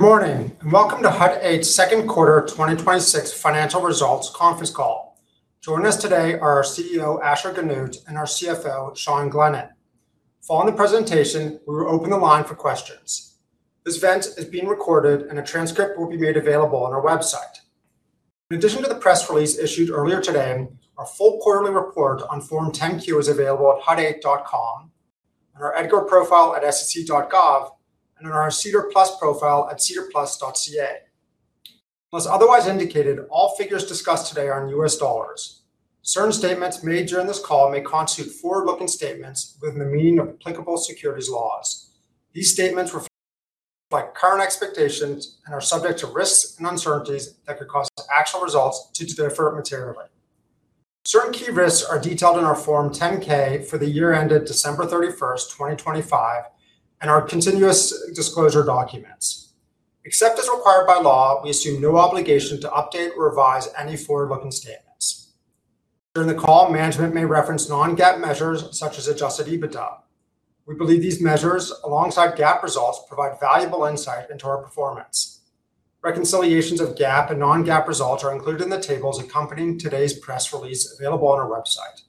Good morning. Welcome to Hut 8's second quarter 2026 financial results conference call. Joining us today are our CEO, Asher Genoot, and our CFO, Sean Glennan. Following the presentation, we will open the line for questions. This event is being recorded and a transcript will be made available on our website. In addition to the press release issued earlier today, our full quarterly report on Form 10-Q is available at hut8.com, on our EDGAR profile at sec.gov, and on our SEDAR+ profile at sedarplus.ca. Unless otherwise indicated, all figures discussed today are in US dollars. Certain statements made during this call may constitute forward-looking statements within the meaning of applicable securities laws. These statements reflect current expectations and are subject to risks and uncertainties that could cause actual results to differ materially. Certain key risks are detailed in our Form 10-K for the year ended December 31st, 2025, and our continuous disclosure documents. Except as required by law, we assume no obligation to update or revise any forward-looking statements. During the call, management may reference non-GAAP measures such as adjusted EBITDA. We believe these measures, alongside GAAP results, provide valuable insight into our performance. Reconciliations of GAAP and non-GAAP results are included in the tables accompanying today's press release available on our website.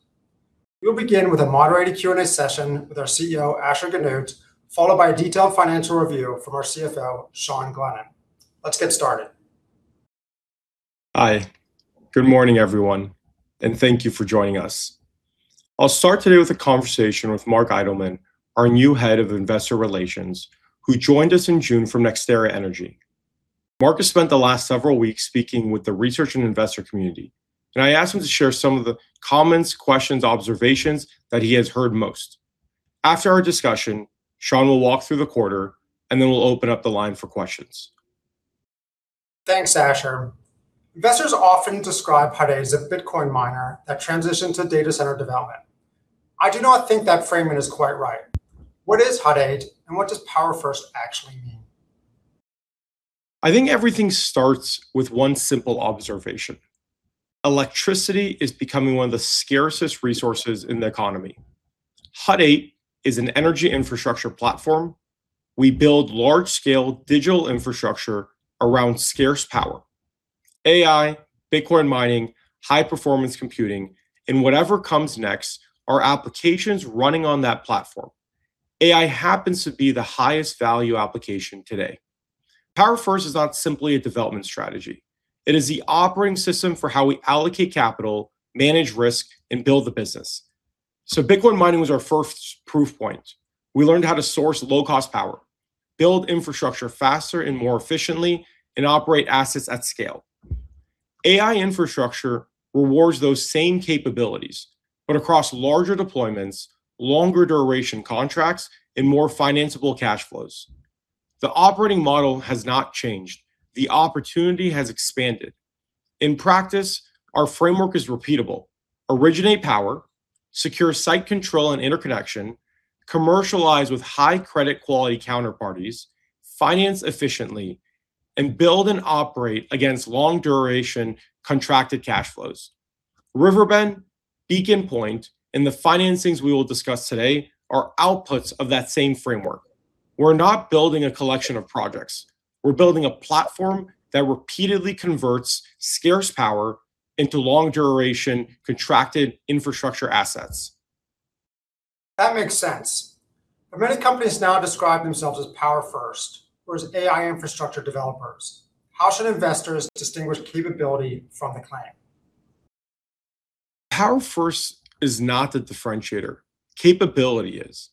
We will begin with a moderated Q&A session with our CEO, Asher Genoot, followed by a detailed financial review from our CFO, Sean Glennan. Let's get started. Hi. Good morning, everyone. Thank you for joining us. I'll start today with a conversation with Mark Eidelman, our new head of investor relations, who joined us in June from NextEra Energy. Mark has spent the last several weeks speaking with the research and investor community. I asked him to share some of the comments, questions, observations that he has heard most. After our discussion, Sean will walk through the quarter. We'll open up the line for questions. Thanks, Asher. Investors often describe Hut 8 as a Bitcoin miner that transitioned to data center development. I do not think that framing is quite right. What is Hut 8? What does power-first actually mean? I think everything starts with one simple observation. Electricity is becoming one of the scarcest resources in the economy. Hut 8 is an energy infrastructure platform. We build large-scale digital infrastructure around scarce power. AI, Bitcoin mining, high-performance computing, and whatever comes next are applications running on that platform. AI happens to be the highest value application today. Power-first is not simply a development strategy. It is the operating system for how we allocate capital, manage risk, and build the business. Bitcoin mining was our first proof point. We learned how to source low-cost power, build infrastructure faster and more efficiently, and operate assets at scale. AI infrastructure rewards those same capabilities, but across larger deployments, longer duration contracts, and more financiable cash flows. The operating model has not changed. The opportunity has expanded. In practice, our framework is repeatable. Originate power, secure site control and interconnection, commercialize with high credit quality counterparties, finance efficiently, and build and operate against long duration contracted cash flows. River Bend, Beacon Point, and the financings we will discuss today are outputs of that same framework. We're not building a collection of projects. We're building a platform that repeatedly converts scarce power into long duration contracted infrastructure assets. That makes sense. Many companies now describe themselves as Power-first or as AI infrastructure developers. How should investors distinguish capability from the claim? Power-first is not the differentiator. Capability is.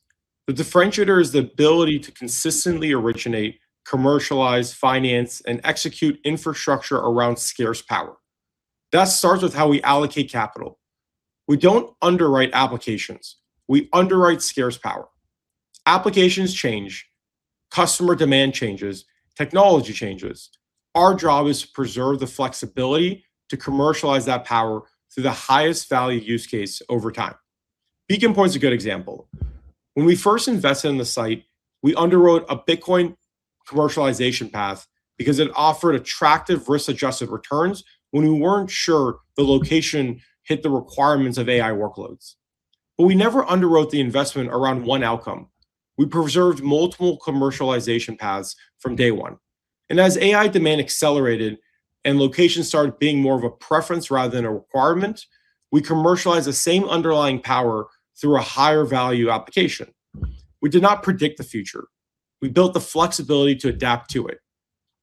The differentiator is the ability to consistently originate, commercialize, finance, and execute infrastructure around scarce power. That starts with how we allocate capital. We don't underwrite applications. We underwrite scarce power. Applications change. Customer demand changes. Technology changes. Our job is to preserve the flexibility to commercialize that power through the highest value use case over time. Beacon Point is a good example. When we first invested in the site, we underwrote a Bitcoin commercialization path because it offered attractive risk-adjusted returns when we weren't sure the location hit the requirements of AI workloads. We never underwrote the investment around one outcome. We preserved multiple commercialization paths from day one. As AI demand accelerated and locations started being more of a preference rather than a requirement, we commercialized the same underlying power through a higher value application. We did not predict the future. We built the flexibility to adapt to it.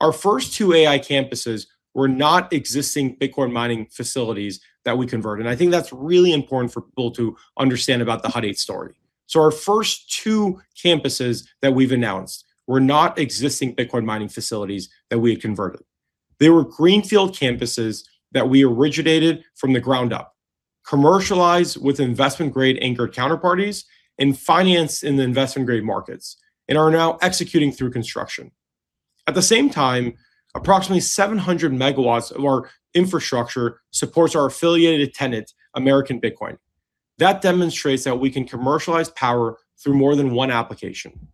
Our first two AI campuses were not existing Bitcoin mining facilities that we converted, and I think that's really important for people to understand about the Hut 8 story. Our first two campuses that we've announced were not existing Bitcoin mining facilities that we had converted. They were greenfield campuses that we originated from the ground up, commercialized with investment-grade anchored counterparties, and financed in the investment-grade markets, and are now executing through construction. At the same time, approximately 700 MW of our infrastructure supports our affiliated tenant, American Bitcoin. That demonstrates that we can commercialize power through more than one application,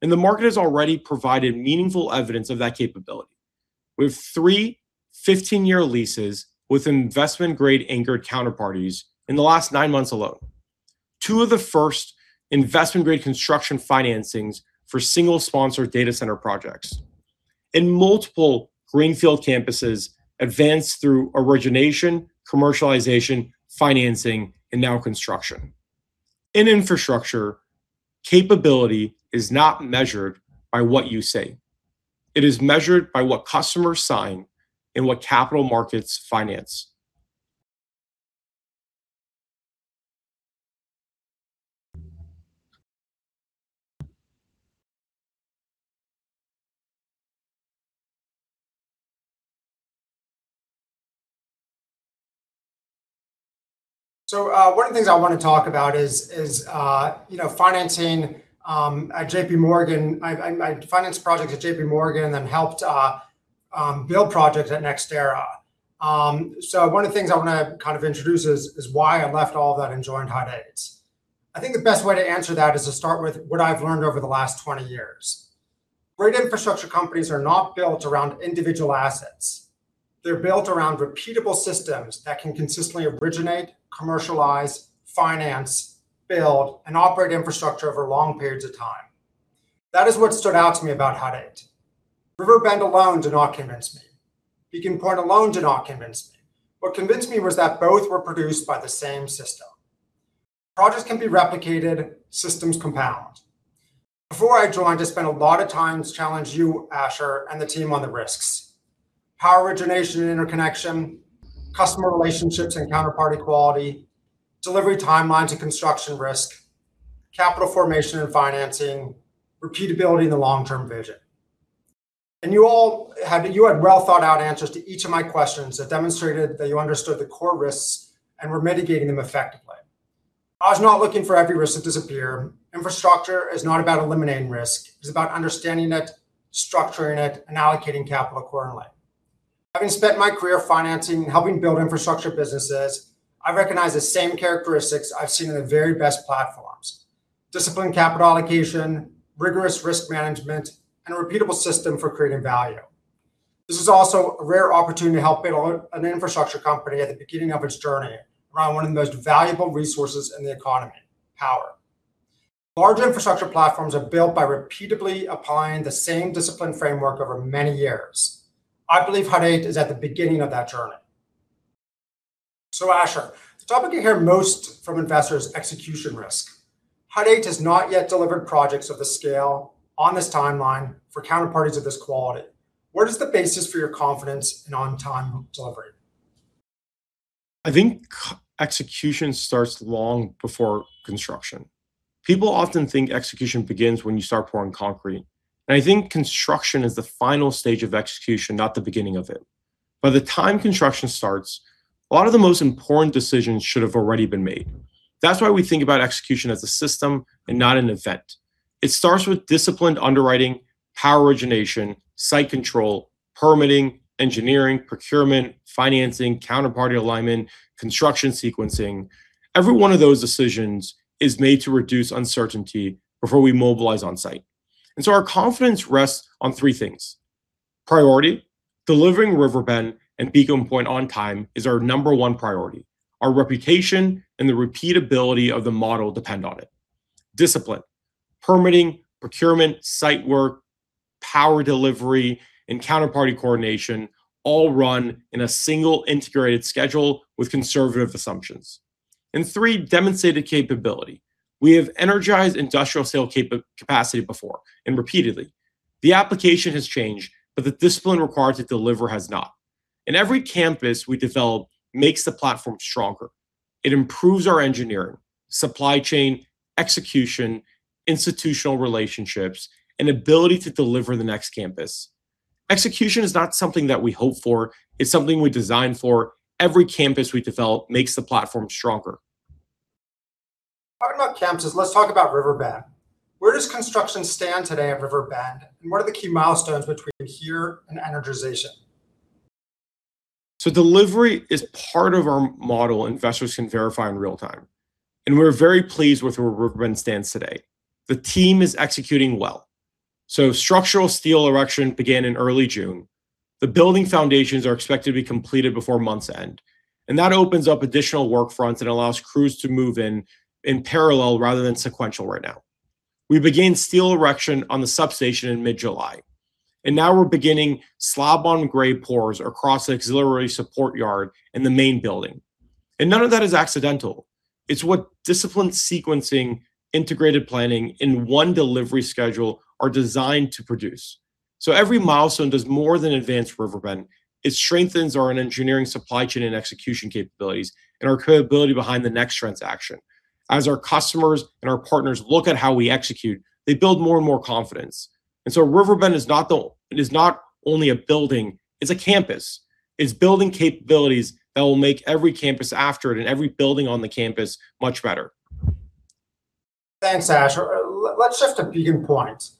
and the market has already provided meaningful evidence of that capability. We have three 15-year leases with investment-grade anchored counterparties in the last nine months alone. Two of the first investment-grade construction financings for single sponsor data center projects. Multiple greenfield campuses advanced through origination, commercialization, financing, and now construction. In infrastructure, capability is not measured by what you say. It is measured by what customers sign and what capital markets finance. One of the things I want to talk about is financing. At JPMorgan, I financed projects at JPMorgan and then helped build projects at NextEra. One of the things I want to introduce is why I left all of that and joined Hut 8. I think the best way to answer that is to start with what I've learned over the last 20 years. Great infrastructure companies are not built around individual assets. They're built around repeatable systems that can consistently originate, commercialize, finance, build, and operate infrastructure over long periods of time. That is what stood out to me about Hut 8. River Bend alone did not convince me. Beacon Point alone did not convince me. What convinced me was that both were produced by the same system. Projects can be replicated, systems compound. Before I joined, I spent a lot of time to challenge you, Asher, and the team on the risks. Power origination and interconnection, customer relationships and counterparty quality, delivery timelines and construction risk, capital formation and financing, repeatability and the long-term vision. You had well-thought-out answers to each of my questions that demonstrated that you understood the core risks and were mitigating them effectively. I was not looking for every risk to disappear. Infrastructure is not about eliminating risk. It's about understanding it, structuring it, and allocating capital accordingly. Having spent my career financing and helping build infrastructure businesses, I recognize the same characteristics I've seen in the very best platforms. Disciplined capital allocation, rigorous risk management, and a repeatable system for creating value. This is also a rare opportunity to help build an infrastructure company at the beginning of its journey around one of the most valuable resources in the economy, power. Large infrastructure platforms are built by repeatedly applying the same discipline framework over many years. I believe Hut 8 is at the beginning of that journey. Asher, the topic you hear most from investors, execution risk. Hut 8 has not yet delivered projects of this scale, on this timeline, for counterparties of this quality. What is the basis for your confidence in on-time delivery? I think execution starts long before construction. People often think execution begins when you start pouring concrete, I think construction is the final stage of execution, not the beginning of it. By the time construction starts, a lot of the most important decisions should have already been made. That's why we think about execution as a system and not an event. It starts with disciplined underwriting, power origination, site control, permitting, engineering, procurement, financing, counterparty alignment, construction sequencing. Every one of those decisions is made to reduce uncertainty before we mobilize on-site. Our confidence rests on three things. Priority. Delivering River Bend and Beacon Point on time is our number one priority. Our reputation and the repeatability of the model depend on it. Discipline. Permitting, procurement, site work, power delivery, and counterparty coordination all run in a single integrated schedule with conservative assumptions. Three, demonstrated capability. We have energized industrial sale capacity before, repeatedly. The application has changed, the discipline required to deliver has not. Every campus we develop makes the platform stronger. It improves our engineering, supply chain, execution, institutional relationships, and ability to deliver the next campus. Execution is not something that we hope for. It's something we design for. Every campus we develop makes the platform stronger. Talking about campuses, let's talk about River Bend. Where does construction stand today at River Bend, and what are the key milestones between here and energization? Delivery is part of our model investors can verify in real-time, and we're very pleased with where River Bend stands today. The team is executing well. Structural steel erection began in early June. The building foundations are expected to be completed before month's end. That opens up additional work fronts and allows crews to move in in parallel rather than sequential right now. We began steel erection on the substation in mid-July, and now we're beginning slab-on-grade pours across the auxiliary support yard in the main building. None of that is accidental. It's what disciplined sequencing, integrated planning in one delivery schedule are designed to produce. Every milestone does more than advance River Bend. It strengthens our engineering, supply chain, and execution capabilities and our credibility behind the next transaction. As our customers and our partners look at how we execute, they build more and more confidence. River Bend is not only a building, it's a campus. It's building capabilities that will make every campus after it and every building on the campus much better. Thanks, Asher. Let's shift to Beacon Point.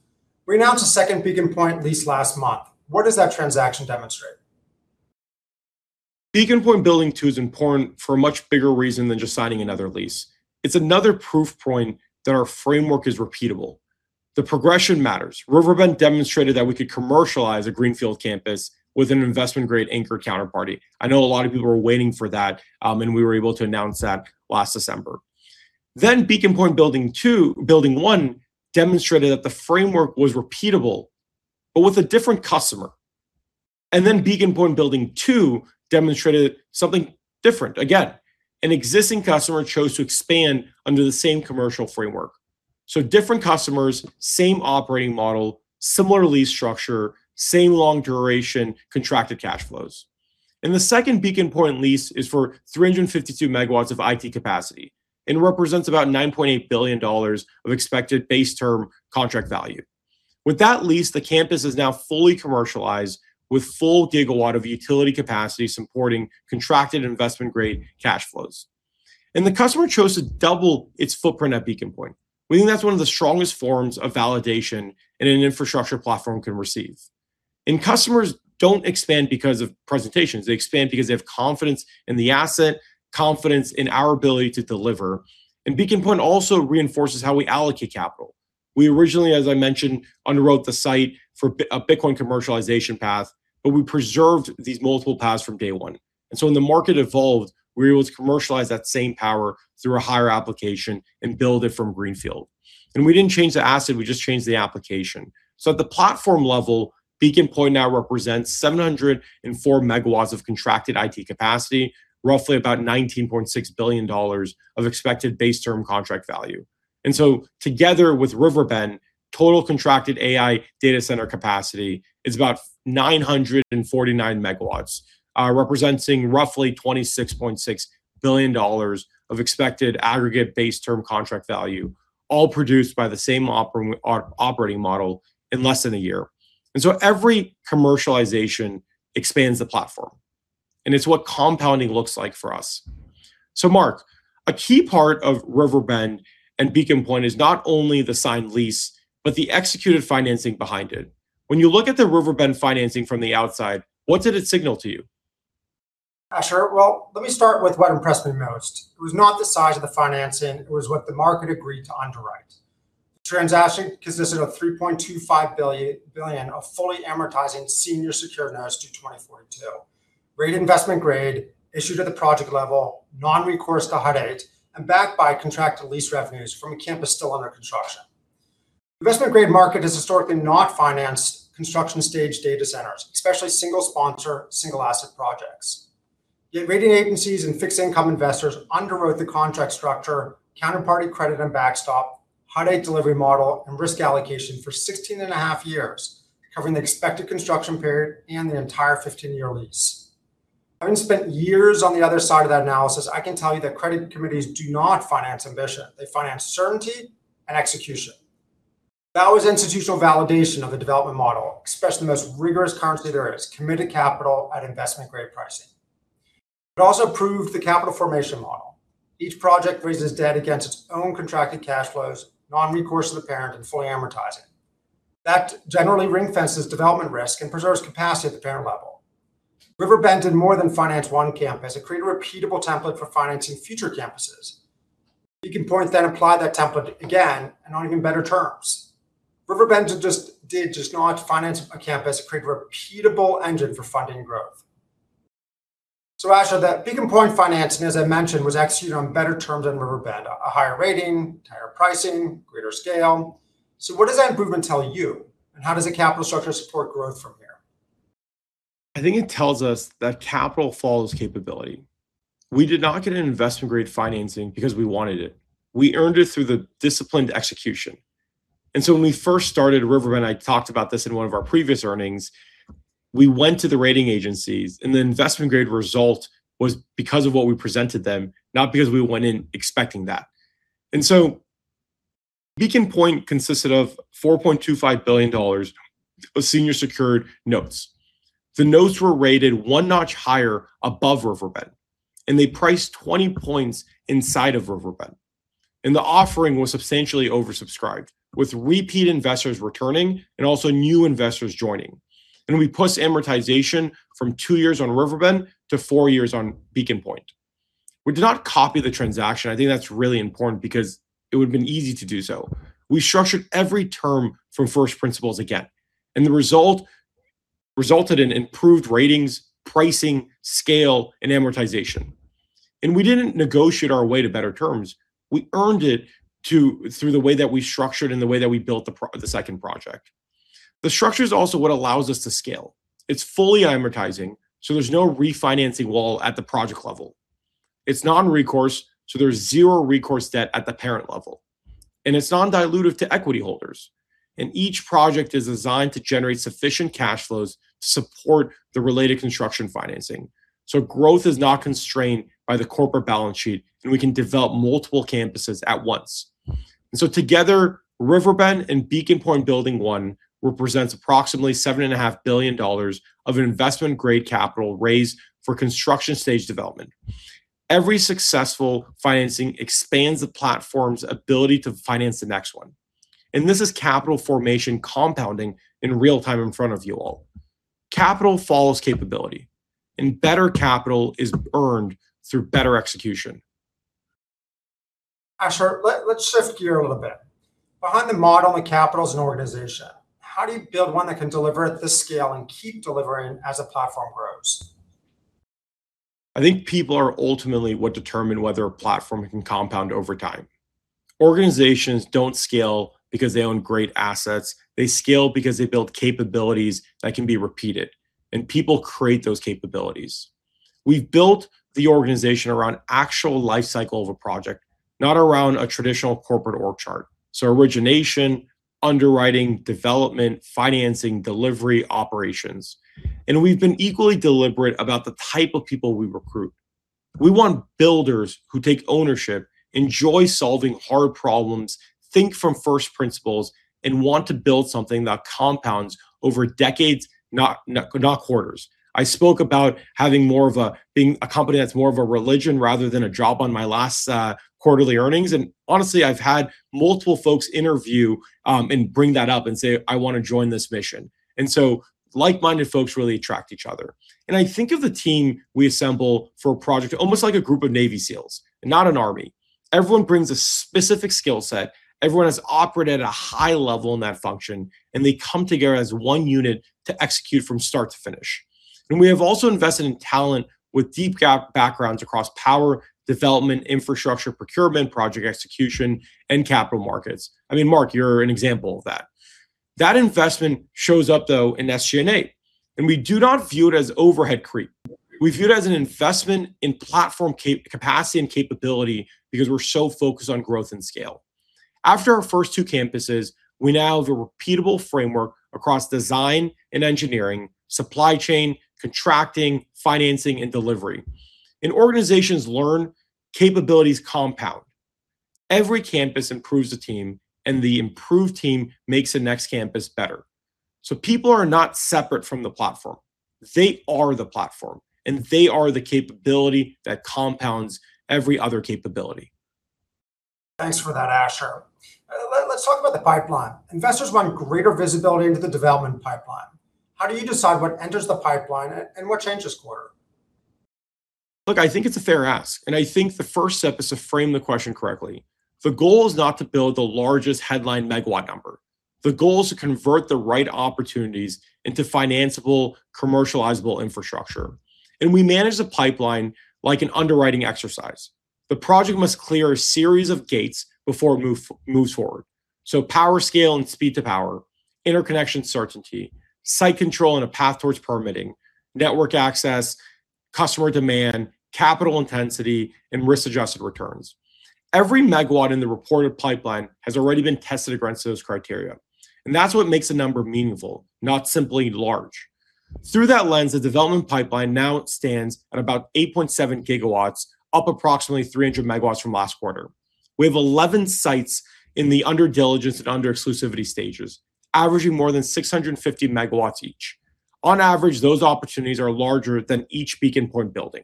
We announced the second Beacon Point lease last month. What does that transaction demonstrate? Beacon Point Building Two is important for a much bigger reason than just signing another lease. It's another proof point that our framework is repeatable. The progression matters. RiverBend demonstrated that we could commercialize a greenfield campus with an investment-grade anchor counterparty. I know a lot of people were waiting for that, and we were able to announce that last December. Beacon Point Building One demonstrated that the framework was repeatable, but with a different customer. Beacon Point Building Two demonstrated something different. Again, an existing customer chose to expand under the same commercial framework. Different customers, same operating model, similar lease structure, same long duration, contracted cash flows. The second Beacon Point lease is for 352 MW of IT capacity and represents about $9.8 billion of expected base term contract value. With that lease, the campus is now fully commercialized with full gigawatt of utility capacity supporting contracted investment-grade cash flows. The customer chose to double its footprint at Beacon Point. We think that's one of the strongest forms of validation that an infrastructure platform can receive. Customers don't expand because of presentations, they expand because they have confidence in the asset, confidence in our ability to deliver. Beacon Point also reinforces how we allocate capital. We originally, as I mentioned, underwrote the site for a Bitcoin commercialization path, but we preserved these multiple paths from day one. When the market evolved, we were able to commercialize that same power through a higher application and build it from greenfield. We didn't change the asset, we just changed the application. At the platform level, Beacon Point now represents 704 MW of contracted IT capacity, roughly about $19.6 billion of expected base term contract value. Together with RiverBend, total contracted AI data center capacity is about 949 MW, representing roughly $26.6 billion of expected aggregate base term contract value, all produced by the same operating model in less than a year. Every commercialization expands the platform, and it's what compounding looks like for us. Mark, a key part of RiverBend and Beacon Point is not only the signed lease, but the executed financing behind it. When you look at the RiverBend financing from the outside, what did it signal to you? Sure. Let me start with what impressed me most. It was not the size of the financing, it was what the market agreed to underwrite. The transaction consisted of $3.25 billion of fully amortizing senior secured notes due 2042. Rated investment grade, issued at the project level, non-recourse to Hut 8, and backed by contracted lease revenues from a campus still under construction. The investment-grade market has historically not financed construction-stage data centers, especially single sponsor, single asset projects. Yet rating agencies and fixed income investors underwrote the contract structure, counterparty credit and backstop, Hut 8 delivery model, and risk allocation for 16 and a half years, covering the expected construction period and the entire 15-year lease. Having spent years on the other side of that analysis, I can tell you that credit committees do not finance ambition. They finance certainty and execution. That was institutional validation of the development model, expressed in the most rigorous currency there is, committed capital at investment-grade pricing. It also proved the capital formation model. Each project raises debt against its own contracted cash flows, non-recourse to the parent, and fully amortizing. That generally ring-fences development risk and preserves capacity at the parent level. RiverBend did more than finance one campus. It created a repeatable template for financing future campuses. Beacon Point then applied that template again and on even better terms. RiverBend did not finance a campus. It created a repeatable engine for funding growth. Asher, that Beacon Point financing, as I mentioned, was executed on better terms than RiverBend, a higher rating, higher pricing, greater scale. What does that improvement tell you, and how does the capital structure support growth from here? I think it tells us that capital follows capability. We did not get an investment-grade financing because we wanted it. We earned it through the disciplined execution. When we first started RiverBend, I talked about this in one of our previous earnings, we went to the rating agencies, and the investment-grade result was because of what we presented them, not because we went in expecting that. Beacon Point consisted of $4.25 billion of senior secured notes. The notes were rated one notch higher above RiverBend, and they priced 20 points inside of RiverBend. The offering was substantially oversubscribed, with repeat investors returning and also new investors joining. We pushed amortization from two years on RiverBend to four years on Beacon Point. We did not copy the transaction. I think that's really important because it would've been easy to do so. We structured every term from first principles again, the result resulted in improved ratings, pricing, scale, and amortization. We didn't negotiate our way to better terms. We earned it through the way that we structured and the way that we built the second project. The structure's also what allows us to scale. It's fully amortizing, so there's no refinancing wall at the project level. It's non-recourse, so there's zero recourse debt at the parent level. It's non-dilutive to equity holders. Each project is designed to generate sufficient cash flows to support the related construction financing. Growth is not constrained by the corporate balance sheet, and we can develop multiple campuses at once. Together, RiverBend and Beacon Point Building One represents approximately $7.5 billion of investment-grade capital raised for construction stage development. Every successful financing expands the platform's ability to finance the next one. This is capital formation compounding in real time in front of you all. Capital follows capability, and better capital is earned through better execution. Asher, let's shift gear a little bit. Behind the model and capital as an organization, how do you build one that can deliver at this scale and keep delivering as a platform grows? I think people are ultimately what determine whether a platform can compound over time. Organizations don't scale because they own great assets. They scale because they build capabilities that can be repeated, and people create those capabilities. We've built the organization around actual life cycle of a project, not around a traditional corporate org chart. Origination, underwriting, development, financing, delivery, operations. We've been equally deliberate about the type of people we recruit. We want builders who take ownership, enjoy solving hard problems, think from first principles, and want to build something that compounds over decades, not quarters. I spoke about having being a company that's more of a religion rather than a job on my last quarterly earnings. Honestly, I've had multiple folks interview, and bring that up and say, "I want to join this mission." Like-minded folks really attract each other. I think of the team we assemble for a project almost like a group of Navy SEALs, and not an army. Everyone brings a specific skill set. Everyone has operated at a high level in that function, and they come together as one unit to execute from start to finish. We have also invested in talent with deep backgrounds across power development, infrastructure procurement, project execution, and capital markets. I mean, Mark, you're an example of that. That investment shows up, though, in SG&A, and we do not view it as overhead creep. We view it as an investment in platform capacity and capability because we're so focused on growth and scale. After our first two campuses, we now have a repeatable framework across design and engineering, supply chain, contracting, financing, and delivery. Organizations learn, capabilities compound. Every campus improves the team, and the improved team makes the next campus better. People are not separate from the platform. They are the platform, and they are the capability that compounds every other capability. Thanks for that, Asher. Let's talk about the pipeline. Investors want greater visibility into the development pipeline. How do you decide what enters the pipeline and what changes quarter? Look, I think it's a fair ask. I think the first step is to frame the question correctly. The goal is not to build the largest headline megawatt number. The goal is to convert the right opportunities into financiable, commercializable infrastructure. We manage the pipeline like an underwriting exercise. The project must clear a series of gates before it moves forward. Power scale and speed to power, interconnection certainty, site control, and a path towards permitting, network access, customer demand, capital intensity, and risk-adjusted returns. Every megawatt in the reported pipeline has already been tested against those criteria. That's what makes a number meaningful, not simply large. Through that lens, the development pipeline now stands at about 8.7 GW, up approximately 300 MW from last quarter. We have 11 sites in the under diligence and under exclusivity stages, averaging more than 650 MW each. On average, those opportunities are larger than each Beacon Point building.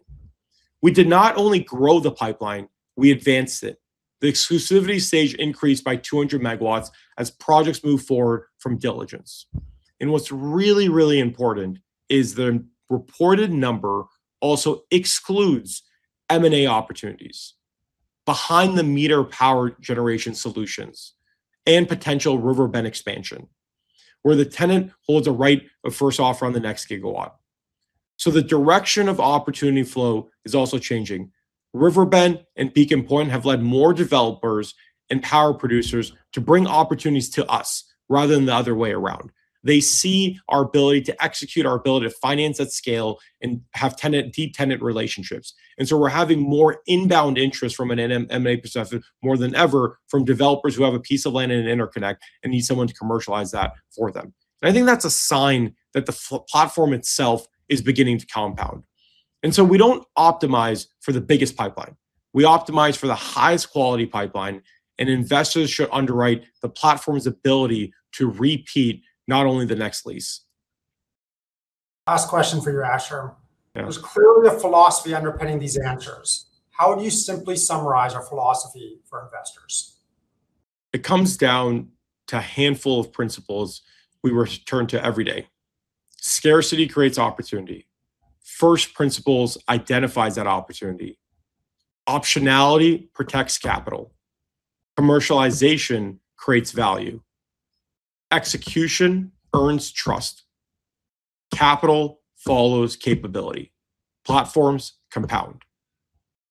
We did not only grow the pipeline; we advanced it. The exclusivity stage increased by 200 MW as projects moved forward from diligence. What's really, really important is the reported number also excludes M&A opportunities, behind the meter power generation solutions, and potential RiverBend expansion, where the tenant holds a right of first offer on the next gigawatt. The direction of opportunity flow is also changing. RiverBend and Beacon Point have led more developers and power producers to bring opportunities to us rather than the other way around. They see our ability to execute, our ability to finance at scale, and have deep tenant relationships. We're having more inbound interest from an M&A perspective more than ever from developers who have a piece of land and an interconnect and need someone to commercialize that for them. I think that's a sign that the platform itself is beginning to compound. We don't optimize for the biggest pipeline. We optimize for the highest quality pipeline. Investors should underwrite the platform's ability to repeat not only the next lease. Last question for you, Asher. Yeah. There's clearly a philosophy underpinning these answers. How would you simply summarize our philosophy for investors? It comes down to a handful of principles we return to every day. Scarcity creates opportunity. First principles identifies that opportunity. Optionality protects capital. Commercialization creates value. Execution earns trust. Capital follows capability. Platforms compound.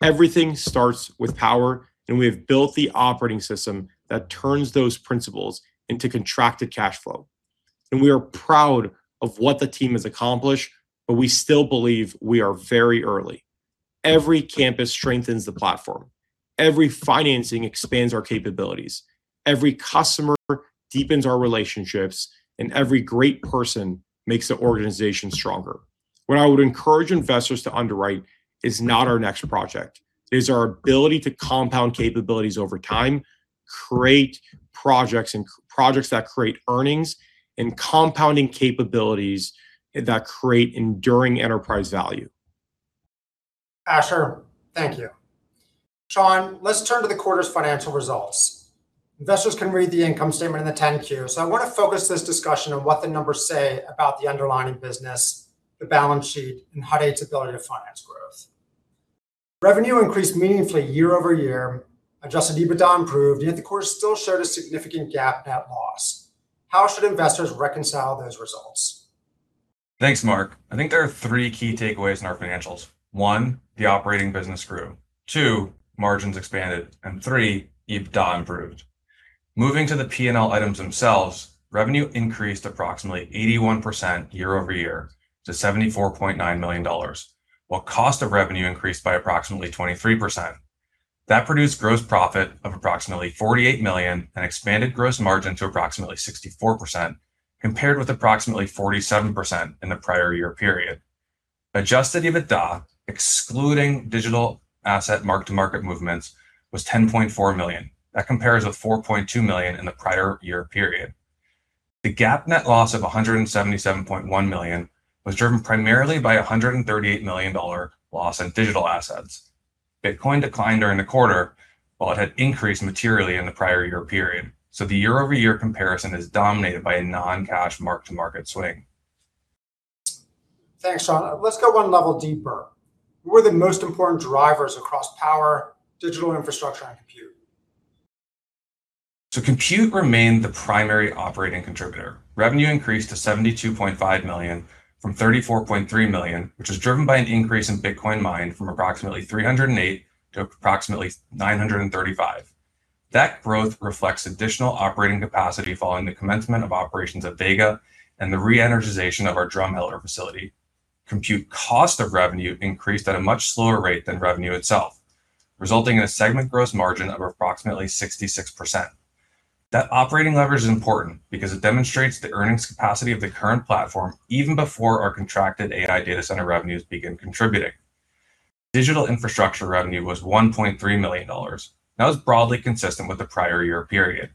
Everything starts with power, and we have built the operating system that turns those principles into contracted cash flow. We are proud of what the team has accomplished, but we still believe we are very early. Every campus strengthens the platform. Every financing expands our capabilities. Every customer deepens our relationships, and every great person makes the organization stronger. What I would encourage investors to underwrite is not our next project. It is our ability to compound capabilities over time, create projects that create earnings, and compounding capabilities that create enduring enterprise value. Asher, thank you. Sean, let's turn to the quarter's financial results. Investors can read the income statement in the 10-Q, I want to focus this discussion on what the numbers say about the underlying business, the balance sheet, and Hut 8's ability to finance growth. Revenue increased meaningfully year-over-year. Adjusted EBITDA improved, yet the quarter still showed a significant GAAP net loss. How should investors reconcile those results? Thanks, Mark. I think there are three key takeaways in our financials. One, the operating business grew. Two, margins expanded. Three, EBITDA improved. Moving to the P&L items themselves, revenue increased approximately 81% year-over-year to $74.9 million, while cost of revenue increased by approximately 23%. That produced gross profit of approximately $48 million and expanded gross margin to approximately 64%, compared with approximately 47% in the prior year period. Adjusted EBITDA, excluding digital asset mark-to-market movements, was $10.4 million. That compares with $4.2 million in the prior year period. The GAAP net loss of $177.1 million was driven primarily by a $138 million loss in digital assets. Bitcoin declined during the quarter, while it had increased materially in the prior year period. The year-over-year comparison is dominated by a non-cash mark-to-market swing. Thanks, Sean. Let's go one level deeper. What were the most important drivers across power, digital infrastructure, and compute? Compute remained the primary operating contributor. Revenue increased to $72.5 million from $34.3 million, which was driven by an increase in Bitcoin mined from approximately 308 to approximately 935. That growth reflects additional operating capacity following the commencement of operations at Vega and the re-energization of our Drumheller facility. Compute cost of revenue increased at a much slower rate than revenue itself, resulting in a segment gross margin of approximately 66%. That operating leverage is important because it demonstrates the earnings capacity of the current platform even before our contracted AI data center revenues begin contributing. Digital infrastructure revenue was $1.3 million. That was broadly consistent with the prior year period.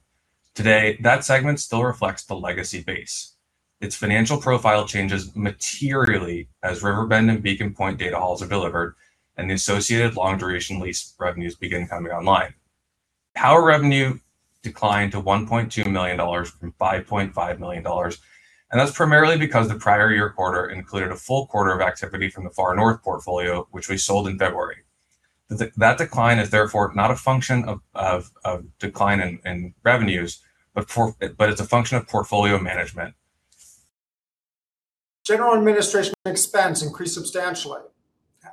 Today, that segment still reflects the legacy base. Its financial profile changes materially as Riverbend and Beacon Point data halls are delivered and the associated long-duration lease revenues begin coming online. Power revenue declined to $1.2 million from $5.5 million, that's primarily because the prior year quarter included a full quarter of activity from the Far North portfolio, which we sold in February. That decline is therefore not a function of decline in revenues, but it's a function of portfolio management. General administration expense increased substantially.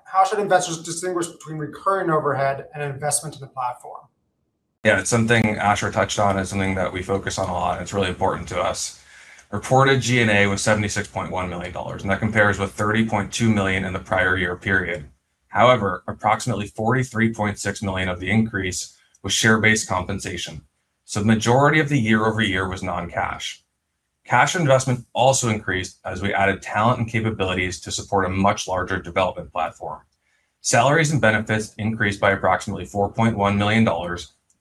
How should investors distinguish between recurring overhead and investment to the platform? Yeah. It's something Asher touched on, and something that we focus on a lot, and it's really important to us. Reported G&A was $76.1 million, and that compares with $30.2 million in the prior year period. However, approximately $43.6 million of the increase was share-based compensation. The majority of the year-over-year was non-cash. Cash investment also increased as we added talent and capabilities to support a much larger development platform. Salaries and benefits increased by approximately $4.1 million,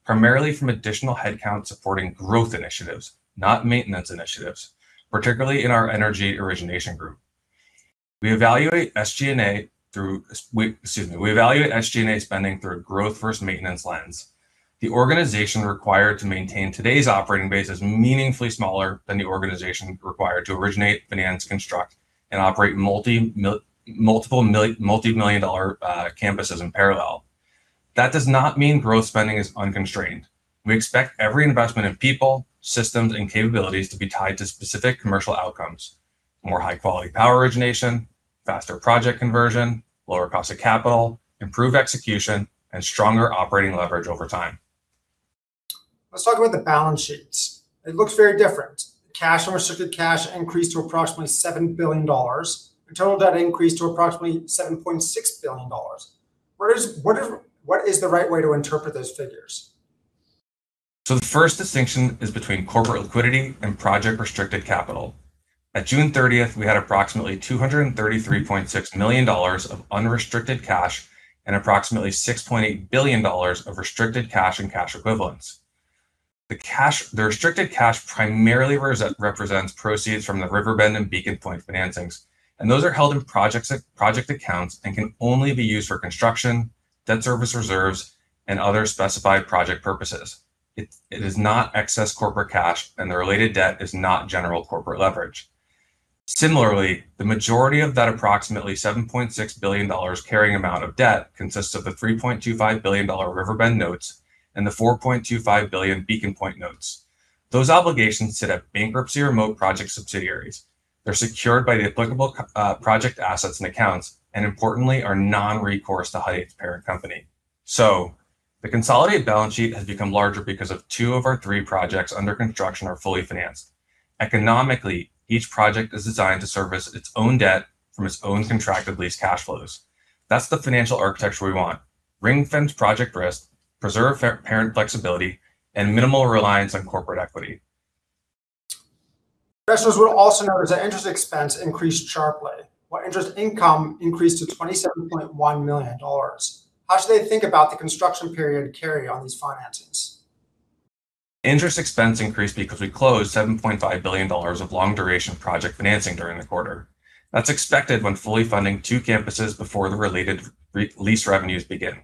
primarily from additional headcount supporting growth initiatives, not maintenance initiatives, particularly in our energy origination group. We evaluate SG&A spending through a growth-first maintenance lens. The organization required to maintain today's operating base is meaningfully smaller than the organization required to originate, finance, construct, and operate multimillion-dollar campuses in parallel. That does not mean growth spending is unconstrained. We expect every investment in people, systems, and capabilities to be tied to specific commercial outcomes. More high-quality power origination, faster project conversion, lower cost of capital, improved execution, and stronger operating leverage over time. Let's talk about the balance sheets. It looks very different. Cash and restricted cash increased to approximately $7 billion. Our total debt increased to approximately $7.6 billion. What is the right way to interpret those figures? The first distinction is between corporate liquidity and project restricted capital. At June 30th, we had approximately $233.6 million of unrestricted cash and approximately $6.8 billion of restricted cash and cash equivalents. The restricted cash primarily represents proceeds from the Riverbend and Beacon Point financings, those are held in project accounts and can only be used for construction, debt service reserves, and other specified project purposes. It is not excess corporate cash, and the related debt is not general corporate leverage. Similarly, the majority of that approximately $7.6 billion carrying amount of debt consists of the $3.25 billion Riverbend notes and the $4.25 billion Beacon Point notes. Those obligations sit at bankruptcy-remote project subsidiaries. They're secured by the applicable project assets and accounts, importantly, are non-recourse to Hut 8's parent company. The consolidated balance sheet has become larger because two of our three projects under construction are fully financed. Economically, each project is designed to service its own debt from its own contracted lease cash flows. That's the financial architecture we want. Ring-fence project risk, preserve parent flexibility, and minimal reliance on corporate equity. Investors would also notice that interest expense increased sharply, while interest income increased to $27.1 million. How should they think about the construction period carry on these financings? Interest expense increased because we closed $7.5 billion of long duration project financing during the quarter. That's expected when fully funding two campuses before the related lease revenues begin.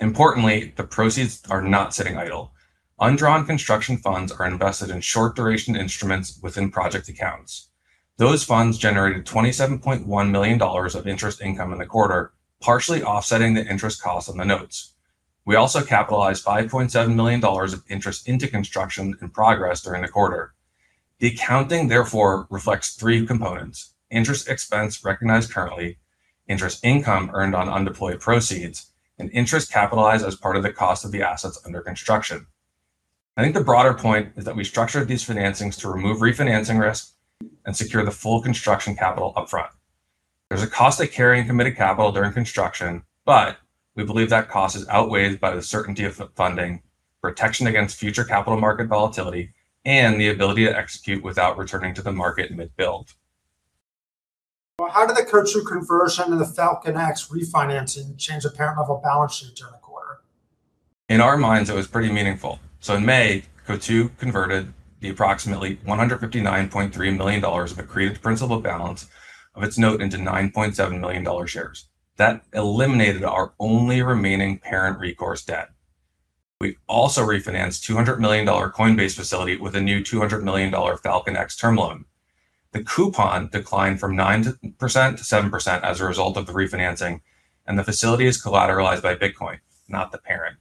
Importantly, the proceeds are not sitting idle. Undrawn construction funds are invested in short duration instruments within project accounts. Those funds generated $27.1 million of interest income in the quarter, partially offsetting the interest cost on the notes. We also capitalized $5.7 million of interest into construction in progress during the quarter. The accounting therefore reflects three components. Interest expense recognized currently, interest income earned on undeployed proceeds, and interest capitalized as part of the cost of the assets under construction. I think the broader point is that we structured these financings to remove refinancing risk and secure the full construction capital upfront. There's a cost to carrying committed capital during construction, but we believe that cost is outweighed by the certainty of funding, protection against future capital market volatility, and the ability to execute without returning to the market mid-build. Well, how did the Coinbase conversion and the FalconX refinancing change the parent level balance sheet during the quarter? In our minds, it was pretty meaningful. In May, Coinbase converted the approximately $159.3 million of accreted principal balance of its note into $9.7 million shares. That eliminated our only remaining parent recourse debt. We also refinanced $200 million Coinbase facility with a new $200 million FalconX term loan. The coupon declined from 9%-7% as a result of the refinancing, and the facility is collateralized by Bitcoin, not the parent.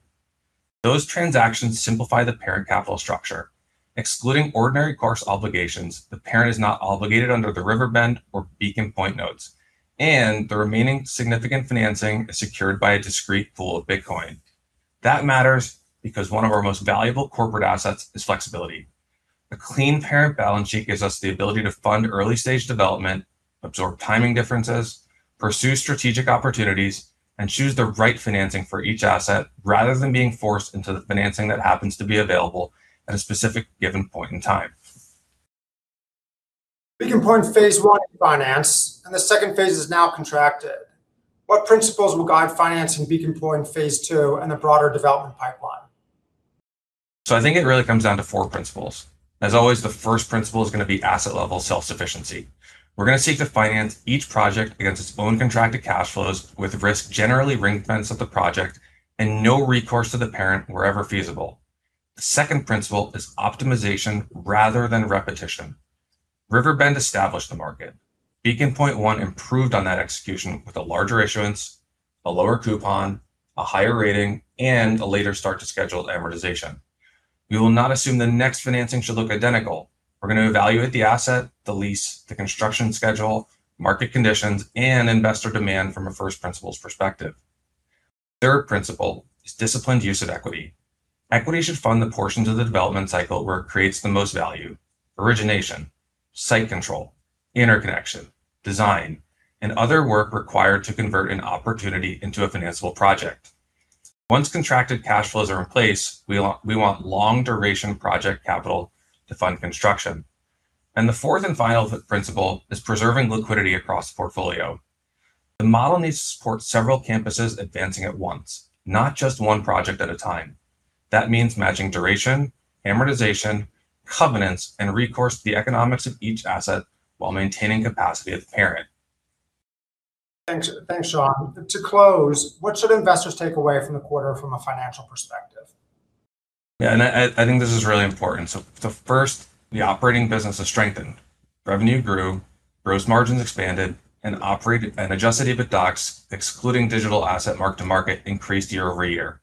Those transactions simplify the parent capital structure. Excluding ordinary course obligations, the parent is not obligated under the Riverbend or Beacon Point notes, and the remaining significant financing is secured by a discrete pool of Bitcoin. That matters because one of our most valuable corporate assets is flexibility. A clean parent balance sheet gives us the ability to fund early-stage development, absorb timing differences, pursue strategic opportunities, and choose the right financing for each asset, rather than being forced into the financing that happens to be available at a specific given point in time. Beacon Point Phase I is financed, and the second phase is now contracted. What principles will guide financing Beacon Point Phase II and the broader development pipeline? I think it really comes down to four principles. As always, the first principle is going to be asset-level self-sufficiency. We're going to seek to finance each project against its own contracted cash flows with risk generally ring-fenced at the project and no recourse to the parent wherever feasible. The second principle is optimization rather than repetition. Riverbend established the market. Beacon Point one improved on that execution with a larger issuance, a lower coupon, a higher rating, and a later start to scheduled amortization. We will not assume the next financing should look identical. We're going to evaluate the asset, the lease, the construction schedule, market conditions, and investor demand from a first principles perspective. The third principle is disciplined use of equity. Equity should fund the portions of the development cycle where it creates the most value. Origination, site control, interconnection, design, and other work required to convert an opportunity into a financeable project. Once contracted cash flows are in place, we want long duration project capital to fund construction. The fourth and final principle is preserving liquidity across the portfolio. The model needs to support several campuses advancing at once, not just one project at a time. That means matching duration, amortization, covenants, and recourse to the economics of each asset while maintaining capacity at the parent. Thanks, Sean. To close, what should investors take away from the quarter from a financial perspective? I think this is really important. The first, the operating business has strengthened. Revenue grew, gross margins expanded, and adjusted EBITDA, excluding digital asset mark-to-market, increased year-over-year.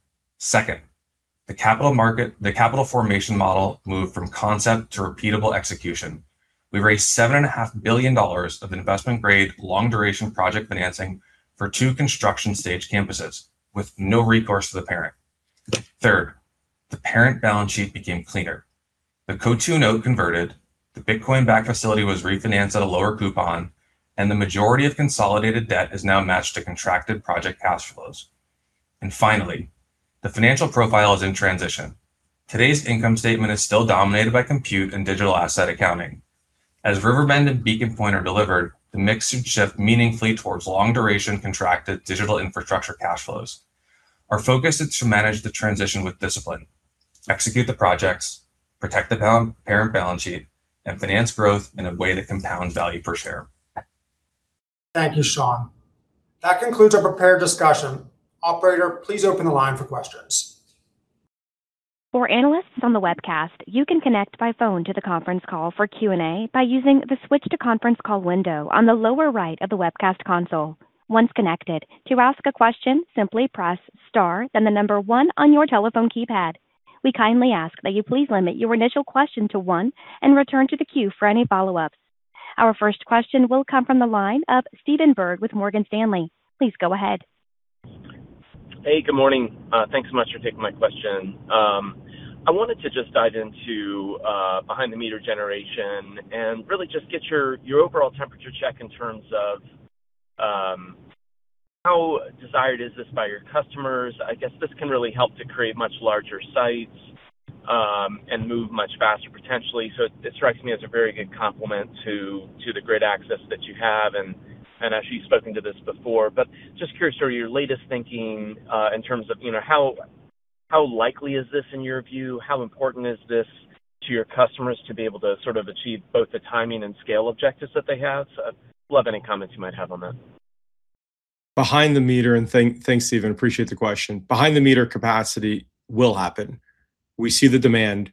Second, the capital formation model moved from concept to repeatable execution. We raised $7.5 billion of investment-grade, long duration project financing for two construction stage campuses with no recourse to the parent. Third, the parent balance sheet became cleaner. The convertible note converted, the Bitcoin-backed facility was refinanced at a lower coupon, and the majority of consolidated debt is now matched to contracted project cash flows. Finally, the financial profile is in transition. Today's income statement is still dominated by compute and digital asset accounting. As Riverbend and Beacon Point are delivered, the mix should shift meaningfully towards long duration contracted digital infrastructure cash flows. Our focus is to manage the transition with discipline, execute the projects, protect the parent balance sheet, and finance growth in a way that compounds value per share. Thank you, Sean. That concludes our prepared discussion. Operator, please open the line for questions. For analysts on the webcast, you can connect by phone to the conference call for Q&A by using the Switch to Conference Call window on the lower right of the webcast console. Once connected, to ask a question, simply press star, then the number one on your telephone keypad. We kindly ask that you please limit your initial question to one and return to the queue for any follow-ups. Our first question will come from the line of Stephen Byrd with Morgan Stanley. Please go ahead. Hey, good morning. Thanks so much for taking my question. I wanted to just dive into behind-the-meter generation and really just get your overall temperature check in terms of how desired is this by your customers. I guess this can really help to create much larger sites, and move much faster potentially. It strikes me as a very good complement to the grid access that you have and I know you've spoken to this before, but just curious sort of your latest thinking in terms of how likely is this in your view? How important is this to your customers to be able to sort of achieve both the timing and scale objectives that they have? I'd love any comments you might have on that. Behind the meter, thanks, Stephen, appreciate the question. Behind-the-meter capacity will happen. We see the demand.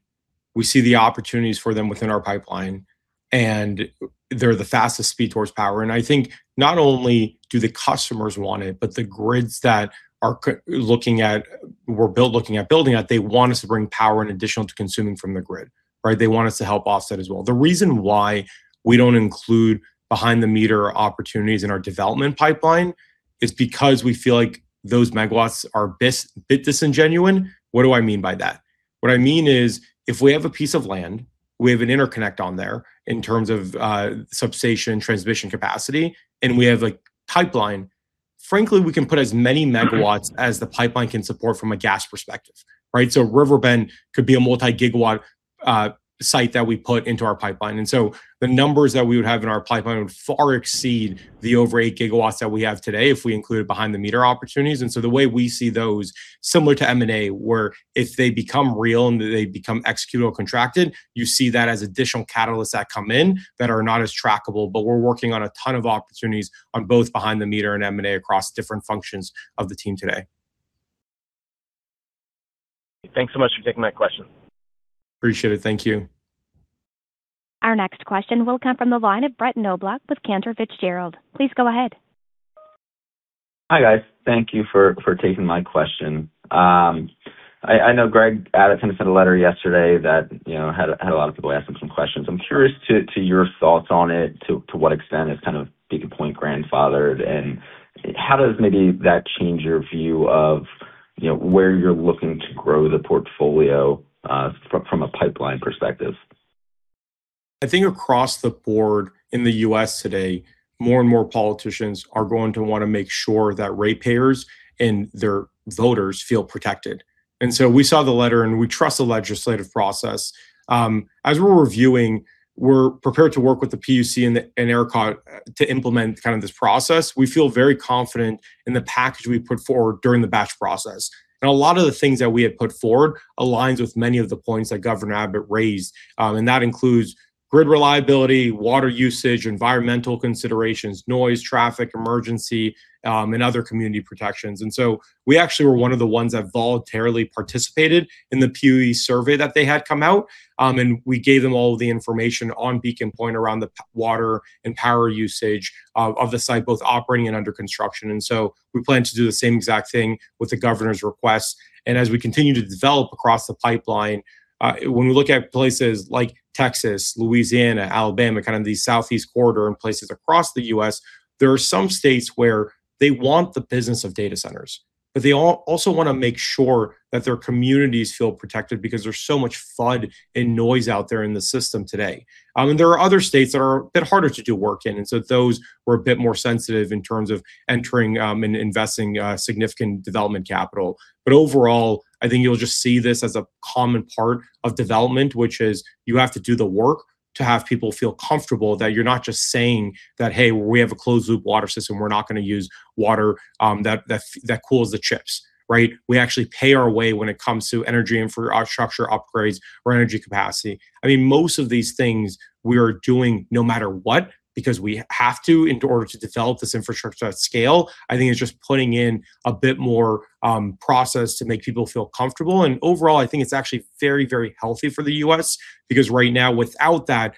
We see the opportunities for them within our pipeline, they're the fastest speed towards power. I think not only do the customers want it, but the grids that we're looking at building out, they want us to bring power in additional to consuming from the grid. Right? They want us to help offset as well. The reason why we don't include behind-the-meter opportunities in our development pipeline is because we feel like those megawatts are a bit disingenuous. What do I mean by that? What I mean is, if we have a piece of land, we have an interconnect on there in terms of substation transmission capacity, we have a pipeline, frankly, we can put as many megawatts as the pipeline can support from a gas perspective. Right? Riverbend could be a multi-gigawatt site that we put into our pipeline. The numbers that we would have in our pipeline would far exceed the over 8 GW that we have today if we included behind-the-meter opportunities. The way we see those, similar to M&A, where if they become real and they become executed or contracted, you see that as additional catalysts that come in that are not as trackable. We're working on a ton of opportunities on both behind-the-meter and M&A across different functions of the team today. Thanks so much for taking my question. Appreciate it. Thank you. Our next question will come from the line of Brett Knoblauch with Cantor Fitzgerald. Please go ahead. Hi, guys. Thank you for taking my question. I know Greg Abbott sent a letter yesterday that had a lot of people asking some questions. I'm curious to your thoughts on it, to what extent is kind of Beacon Point grandfathered, and how does maybe that change your view of where you're looking to grow the portfolio from a pipeline perspective? I think across the board in the U.S. today, more and more politicians are going to want to make sure that ratepayers and their voters feel protected. We saw the letter, and we trust the legislative process. As we're reviewing, we're prepared to work with the PUC and ERCOT to implement this process. We feel very confident in the package we put forward during the batch process. A lot of the things that we have put forward aligns with many of the points that Governor Abbott raised. That includes grid reliability, water usage, environmental considerations, noise, traffic, emergency, and other community protections. We actually were one of the ones that voluntarily participated in the PUE survey that they had come out, and we gave them all of the information on Beacon Point around the water and power usage of the site, both operating and under construction. We plan to do the same exact thing with the governor's request. As we continue to develop across the pipeline, when we look at places like Texas, Louisiana, Alabama, kind of the southeast corridor, and places across the U.S., there are some states where they want the business of data centers. They also want to make sure that their communities feel protected because there's so much FUD and noise out there in the system today. There are other states that are a bit harder to do work in. Those were a bit more sensitive in terms of entering and investing significant development capital. Overall, I think you'll just see this as a common part of development, which is you have to do the work to have people feel comfortable that you're not just saying that, "Hey, we have a closed-loop water system. We're not going to use water that cools the chips." Right? We actually pay our way when it comes to energy and for our structure upgrades or energy capacity. Most of these things we are doing no matter what because we have to in order to develop this infrastructure at scale. I think it's just putting in a bit more process to make people feel comfortable. Overall, I think it's actually very healthy for the U.S. because right now, without that,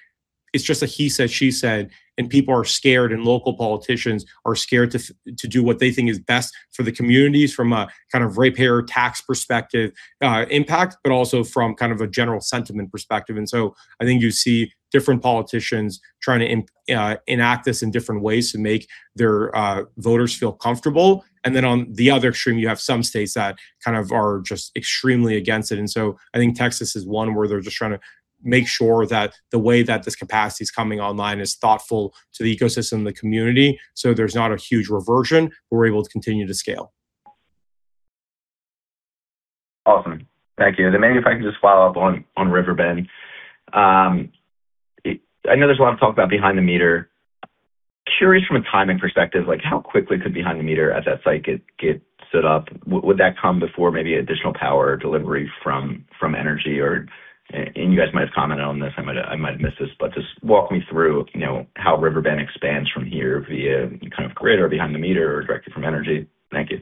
it's just a he said, she said, and people are scared, local politicians are scared to do what they think is best for the communities from a kind of ratepayer tax perspective impact, but also from kind of a general sentiment perspective. I think you see different politicians trying to enact this in different ways to make their voters feel comfortable. On the other extreme, you have some states that kind of are just extremely against it. I think Texas is one where they're just trying to make sure that the way that this capacity is coming online is thoughtful to the ecosystem and the community, so there's not a huge reversion, we're able to continue to scale. Awesome. Thank you. Maybe if I can just follow up on Riverbend. I know there's a lot of talk about behind the meter. Curious from a timing perspective, how quickly could behind the meter at that site get set up? Would that come before maybe additional power delivery from Entergy or, you guys might have commented on this, I might have missed this, but just walk me through how Riverbend expands from here via grid or behind the meter or directly from Entergy. Thank you.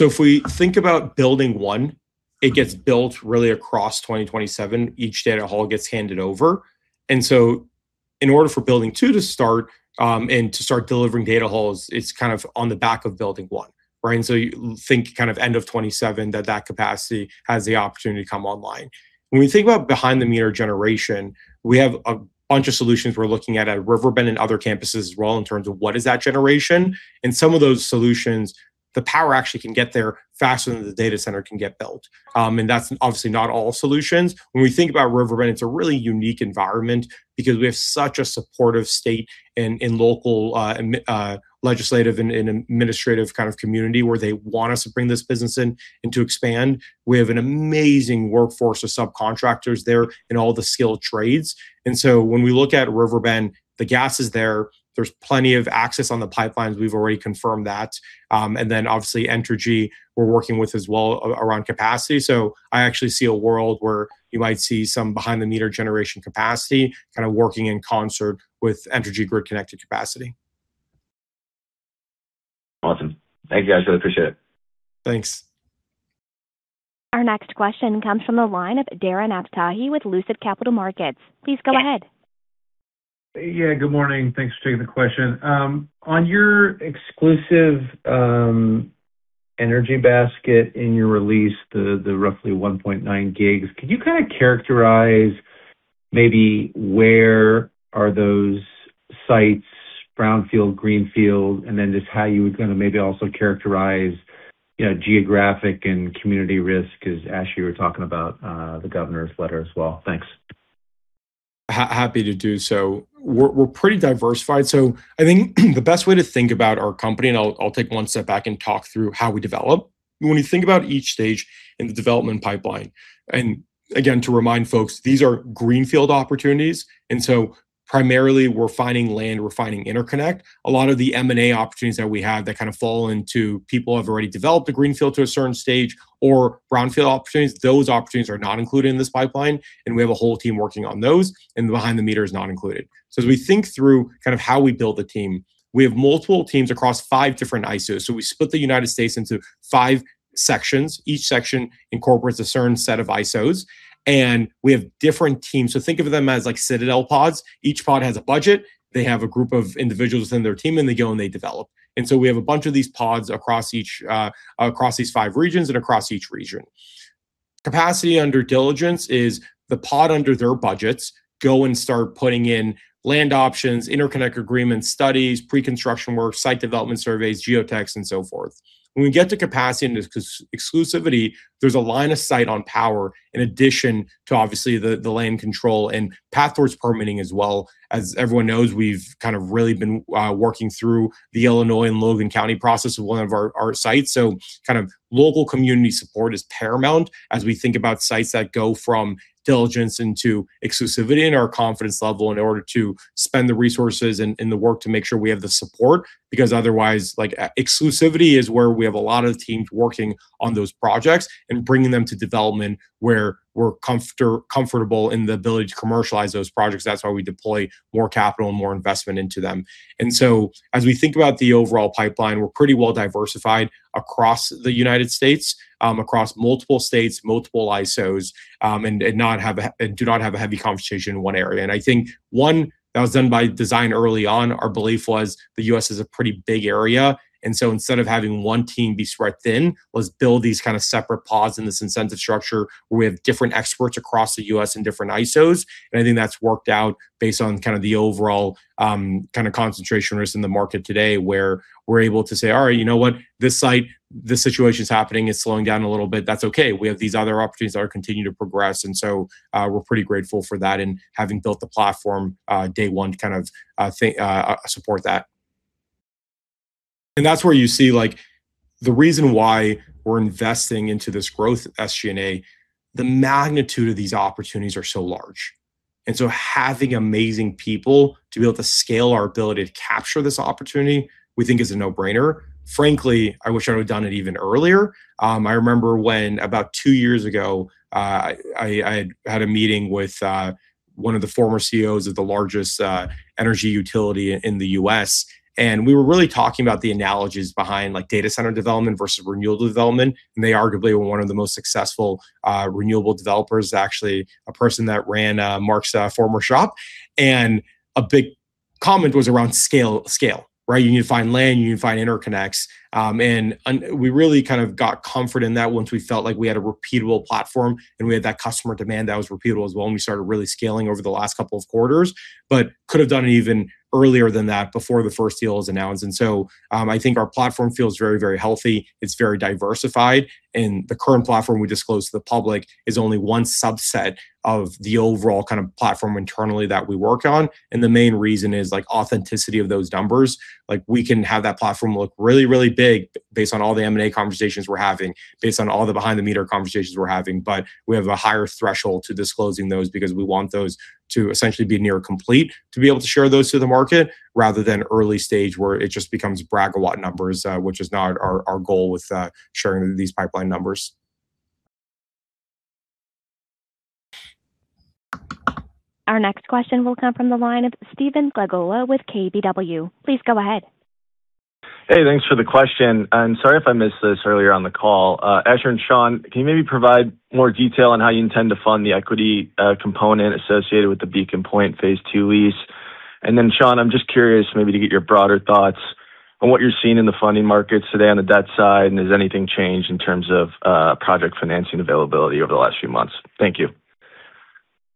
If we think about building one, it gets built really across 2027. Each data hall gets handed over. In order for building two to start, and to start delivering data halls, it's kind of on the back of building one. Right? You think kind of end of 2027 that capacity has the opportunity to come online. When we think about behind-the-meter generation, we have a bunch of solutions we're looking at Riverbend and other campuses as well, in terms of what is that generation. Some of those solutions, the power actually can get there faster than the data center can get built. That's obviously not all solutions. When we think about Riverbend, it's a really unique environment because we have such a supportive state and local legislative and administrative kind of community where they want us to bring this business in and to expand. We have an amazing workforce of subcontractors there in all the skilled trades. When we look at Riverbend, the gas is there. There's plenty of access on the pipelines. We've already confirmed that. Obviously Entergy we're working with as well around capacity. I actually see a world where you might see some behind-the-meter generation capacity kind of working in concert with Entergy grid-connected capacity. Awesome. Thank you, Asher. Really appreciate it. Thanks. Our next question comes from the line of Darren Aftahi with Lucid Capital Markets. Please go ahead. Yeah, good morning. Thanks for taking the question. On your exclusive energy basket in your release, the roughly 1.9 GB, could you characterize maybe where are those sites, brownfield, greenfield, just how you would maybe also characterize geographic and community risk? Asher, you were talking about the governor's letter as well. Thanks. Happy to do so. We're pretty diversified. I think the best way to think about our company, and I'll take one step back and talk through how we develop. When we think about each stage in the development pipeline, and again, to remind folks, these are greenfield opportunities. Primarily we're finding land, we're finding interconnect. A lot of the M&A opportunities that we have that fall into people who have already developed a greenfield to a certain stage or brownfield opportunities, those opportunities are not included in this pipeline. We have a whole team working on those, and behind the meter is not included. As we think through how we build a team, we have multiple teams across five different ISOs. We split the U.S. into five sections. Each section incorporates a certain set of ISOs, and we have different teams. Think of them as Citadel pods. Each pod has a budget. They have a group of individuals within their team, and they go and they develop. We have a bunch of these pods across these five regions and across each region. Capacity under diligence is the pod under their budgets go and start putting in land options, interconnect agreement studies, pre-construction work, site development surveys, geotechs, and so forth. When we get to capacity and exclusivity, there's a line of sight on power in addition to obviously the land control and path towards permitting as well. As everyone knows, we've really been working through the Illinois and Logan County process with one of our sites. Local community support is paramount as we think about sites that go from diligence into exclusivity and our confidence level in order to spend the resources and the work to make sure we have the support. Because otherwise, exclusivity is where we have a lot of teams working on those projects and bringing them to development where we're comfortable in the ability to commercialize those projects. That's why we deploy more capital and more investment into them. As we think about the overall pipeline, we're pretty well diversified across the U.S., across multiple states, multiple ISOs, and do not have a heavy concentration in one area. I think one, that was done by design early on. Our belief was the U.S. is a pretty big area. Instead of having one team be spread thin, was build these separate pods in this incentive structure with different experts across the U.S. and different ISOs. I think that's worked out based on the overall concentration risk in the market today, where we're able to say, "All right, you know what? This situation is happening. It's slowing down a little bit. That's okay. We have these other opportunities that continue to progress." We're pretty grateful for that and having built the platform day one to support that. That's where you see the reason why we're investing into this growth at SG&A, the magnitude of these opportunities are so large. Having amazing people to be able to scale our ability to capture this opportunity, we think is a no-brainer. Frankly, I wish I would've done it even earlier. I remember when about two years ago, I had a meeting with one of the former CEOs of the largest energy utility in the U.S., we were really talking about the analogies behind data center development versus renewable development. They arguably were one of the most successful renewable developers, actually a person that ran Mark's former shop. A big comment was around scale. You need to find land, you need to find interconnects. We really got comfort in that once we felt like we had a repeatable platform and we had that customer demand that was repeatable as well, we started really scaling over the last couple of quarters, but could have done it even earlier than that before the first deal was announced. I think our platform feels very healthy. It's very diversified. The current platform we disclosed to the public is only one subset of the overall platform internally that we work on. The main reason is authenticity of those numbers. We can have that platform look really big based on all the M&A conversations we're having, based on all the behind-the-meter conversations we're having, but we have a higher threshold to disclosing those because we want those to essentially be near complete to be able to share those to the market rather than early stage where it just becomes brag-a-lot numbers, which is not our goal with sharing these pipeline numbers. Our next question will come from the line of Stephen Glagola with KBW. Please go ahead. Hey, thanks for the question. Sorry if I missed this earlier on the call. Asher and Sean, can you maybe provide more detail on how you intend to fund the equity component associated with the Beacon Point Phase II lease? Sean, I'm just curious maybe to get your broader thoughts on what you're seeing in the funding markets today on the debt side, has anything changed in terms of project financing availability over the last few months? Thank you.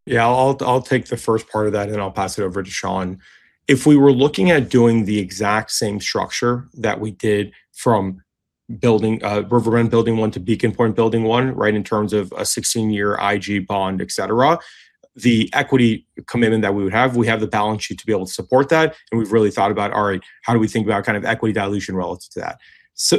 Yeah, I'll take the first part of that and I'll pass it over to Sean. If we were looking at doing the exact same structure that we did from River Bend Building 1 to Beacon Point Building 1, in terms of a 16-year IG bond, et cetera. The equity commitment that we would have, we have the balance sheet to be able to support that, and we've really thought about, all right, how do we think about equity dilution relative to that?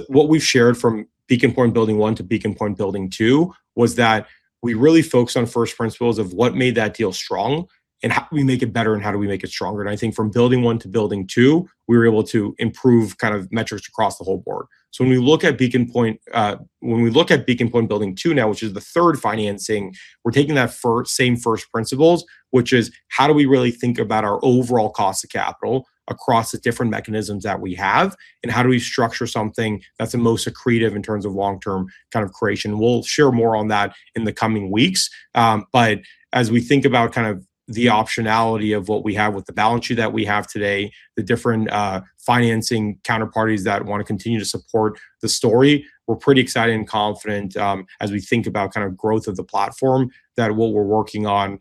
What we've shared from Beacon Point Building 1 to Beacon Point Building 2 was that we really focused on first principles of what made that deal strong, and how can we make it better and how do we make it stronger. I think from Building 1 to Building 2, we were able to improve metrics across the whole board. When we look at Beacon Point Building 2 now, which is the third financing, we're taking that same first principles, which is how do we really think about our overall cost of capital across the different mechanisms that we have, and how do we structure something that's the most accretive in terms of long-term kind of creation. We'll share more on that in the coming weeks. As we think about the optionality of what we have with the balance sheet that we have today, the different financing counterparties that want to continue to support the story, we're pretty excited and confident as we think about growth of the platform, that what we're working on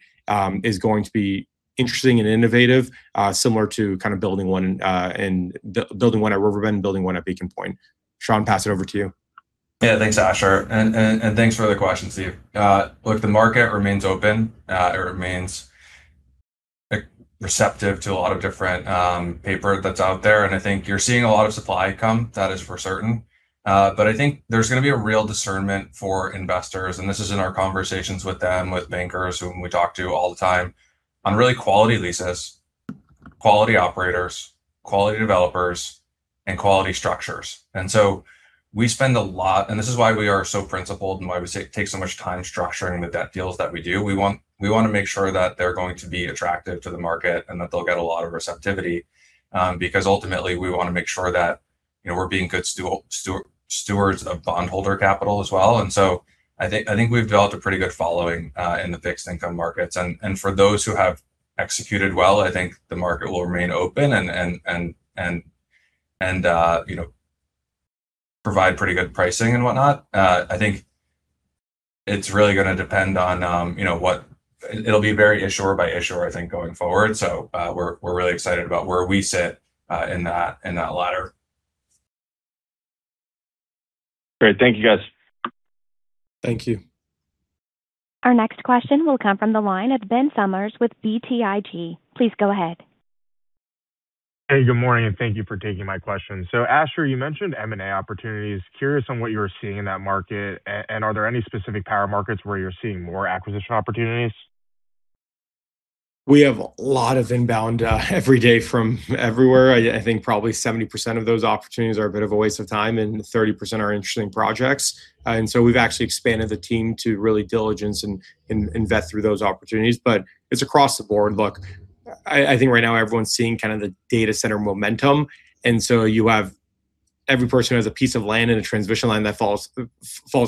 is going to be interesting and innovative, similar to Building 1 at River Bend and Building 1 at Beacon Point. Sean, pass it over to you. Yeah, thanks, Asher. Thanks for the question, Steve. Look, the market remains open. It remains receptive to a lot of different paper that's out there, I think you're seeing a lot of supply come, that is for certain. I think there's going to be a real discernment for investors, this is in our conversations with them, with bankers whom we talk to all the time, on really quality leases, quality operators, quality developers, and quality structures. We spend a lot. This is why we are so principled and why we take so much time structuring the debt deals that we do. We want to make sure that they're going to be attractive to the market and that they'll get a lot of receptivity, because ultimately we want to make sure that we're being good stewards of bondholder capital as well. I think we've built a pretty good following in the fixed income markets. For those who have executed well, I think the market will remain open and provide pretty good pricing and whatnot. I think it's really going to depend on what. It'll be very issuer by issuer, I think, going forward. We're really excited about where we sit in that ladder. Great. Thank you, guys. Thank you. Our next question will come from the line of Ben Sommers with BTIG. Please go ahead. Hey, good morning, and thank you for taking my question. Asher, you mentioned M&A opportunities. Curious on what you are seeing in that market. Are there any specific power markets where you're seeing more acquisition opportunities? We have a lot of inbound every day from everywhere. I think probably 70% of those opportunities are a bit of a waste of time, and 30% are interesting projects. We've actually expanded the team to really diligence and vet through those opportunities. It's across the board. Look, I think right now everyone's seeing the data center momentum. You have every person who has a piece of land and a transmission line that falls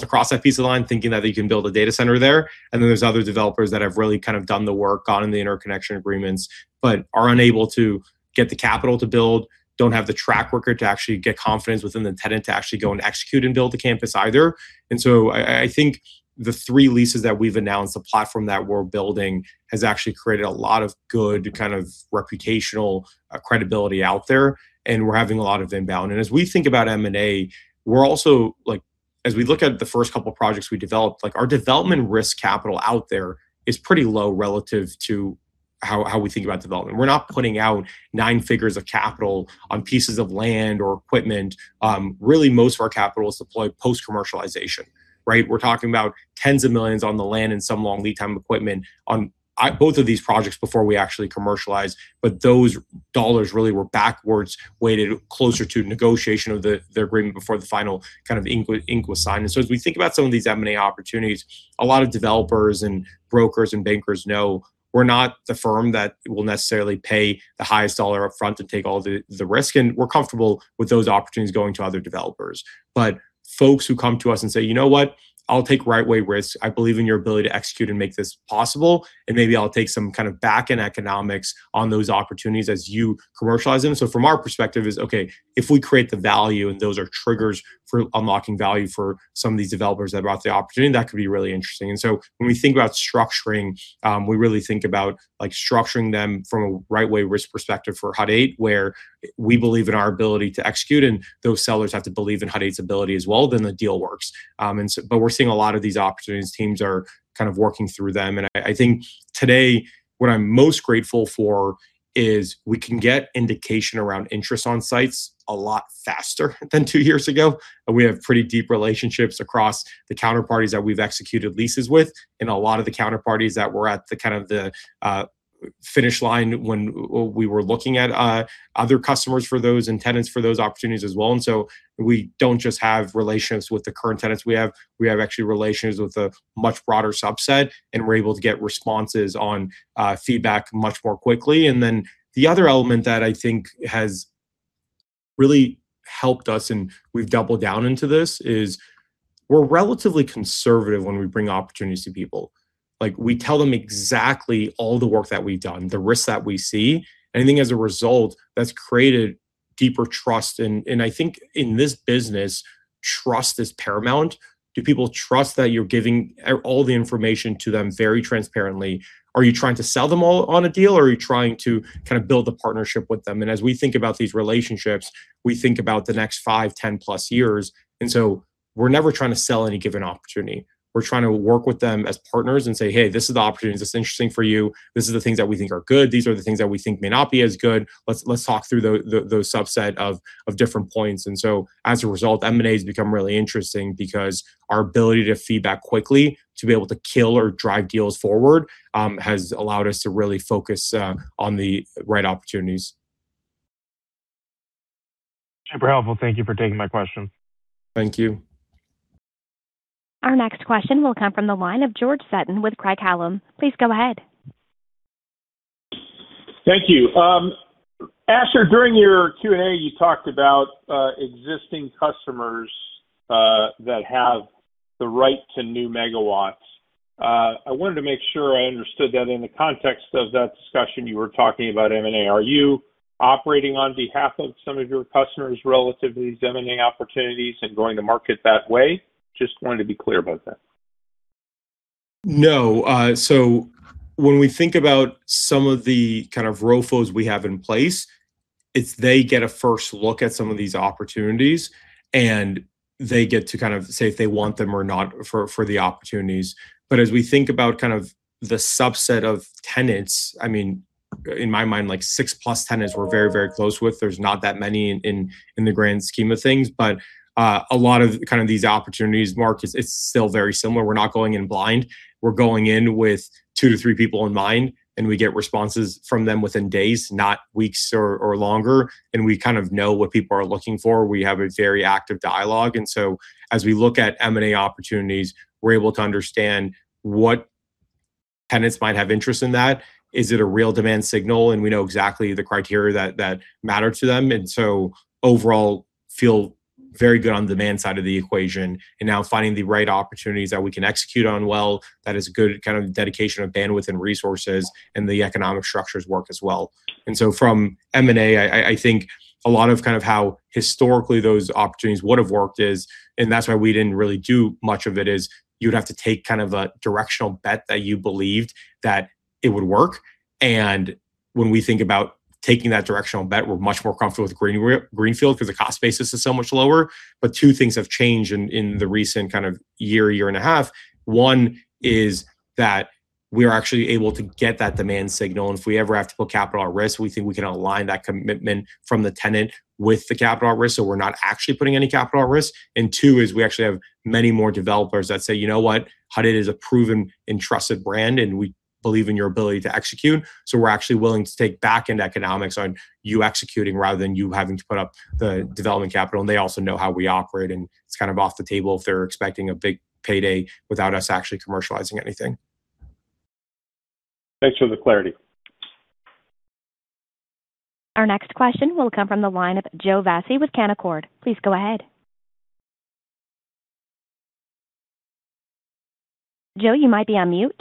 across that piece of land thinking that they can build a data center there. There's other developers that have really done the work, gotten the interconnection agreements, but are unable to get the capital to build, don't have the track record to actually get confidence with a tenant to actually go and execute and build the campus either. I think the three leases that we've announced, the platform that we're building, has actually created a lot of good reputational credibility out there, and we're having a lot of inbound. As we think about M&A, we're also, as we look at the first couple of projects we developed, our development risk capital out there is pretty low relative to how we think about development. We're not putting out nine figures of capital on pieces of land or equipment. Really most of our capital is deployed post-commercialization. We're talking about tens of millions on the land and some long lead time equipment on both of these projects before we actually commercialize. But those dollars really were backwards weighted closer to negotiation of the agreement before the final ink was signed. As we think about some of these M&A opportunities, a lot of developers and brokers and bankers know we're not the firm that will necessarily pay the highest dollar upfront to take all the risk, and we're comfortable with those opportunities going to other developers. But folks who come to us and say, "You know what? I'll take right of way risk. I believe in your ability to execute and make this possible, and maybe I'll take some kind of back-end economics on those opportunities as you commercialize them." So from our perspective is, okay, if we create the value and those are triggers for unlocking value for some of these developers that brought the opportunity, that could be really interesting. When we think about structuring, we really think about structuring them from a right of way risk perspective for Hut 8, where we believe in our ability to execute, and those sellers have to believe in Hut 8's ability as well, then the deal works. But we're seeing a lot of these opportunities. Teams are kind of working through them. I think today what I'm most grateful for is we can get indication around interest on sites a lot faster than two years ago. We have pretty deep relationships across the counterparties that we've executed leases with and a lot of the counterparties that were at the finish line when we were looking at other customers for those and tenants for those opportunities as well. We don't just have relationships with the current tenants. We have actually relationships with a much broader subset, we're able to get responses on feedback much more quickly. The other element that I think has really helped us, and we've doubled down into this, is we're relatively conservative when we bring opportunities to people. We tell them exactly all the work that we've done, the risks that we see. I think as a result, that's created deeper trust. I think in this business, trust is paramount. Do people trust that you're giving all the information to them very transparently? Are you trying to sell them all on a deal, or are you trying to build a partnership with them? As we think about these relationships, we think about the next five, 10 plus years. We're never trying to sell any given opportunity. We're trying to work with them as partners and say, "Hey, this is the opportunity. Is this interesting for you? These are the things that we think are good. These are the things that we think may not be as good. Let's talk through those subset of different points." As a result, M&A has become really interesting because our ability to feed back quickly, to be able to kill or drive deals forward, has allowed us to really focus on the right opportunities. Super helpful. Thank you for taking my question. Thank you. Our next question will come from the line of George Sutton with Craig-Hallum. Please go ahead. Thank you. Asher, during your Q&A you talked about existing customers that have the right to new megawatts. I wanted to make sure I understood that in the context of that discussion you were talking about M&A. Are you operating on behalf of some of your customers relative to these M&A opportunities and going to market that way? Just wanted to be clear about that. No. When we think about some of the kind of ROFOs we have in place, it's they get a first look at some of these opportunities and they get to say if they want them or not for the opportunities. As we think about the subset of tenants, in my mind, like six plus tenants we're very, very close with. There's not that many in the grand scheme of things. A lot of these opportunities, Mark, it's still very similar. We're not going in blind. We're going in with two to three people in mind, and we get responses from them within days, not weeks or longer. We kind of know what people are looking for. We have a very active dialogue. As we look at M&A opportunities, we're able to understand what tenants might have interest in that. Is it a real demand signal? We know exactly the criteria that matter to them. Overall, feel very good on demand side of the equation, and now finding the right opportunities that we can execute on well, that is good dedication of bandwidth and resources, and the economic structures work as well. From M&A, I think a lot of how historically those opportunities would have worked is, and that's why we didn't really do much of it, is you would have to take a directional bet that you believed that it would work. When we think about taking that directional bet, we're much more comfortable with greenfield because the cost basis is so much lower. Two things have changed in the recent year and a half. One is that we are actually able to get that demand signal. If we ever have to put capital at risk, we think we can align that commitment from the tenant with the capital at risk, we're not actually putting any capital at risk. Two is we actually have many more developers that say, "You know what? Hut 8 is a proven and trusted brand, and we believe in your ability to execute. We're actually willing to take back-end economics on you executing rather than you having to put up the development capital." They also know how we operate, and it's kind of off the table if they're expecting a big payday without us actually commercializing anything. Thanks for the clarity. Our next question will come from the line of Joe Vafi with Canaccord. Please go ahead. Joe, you might be on mute.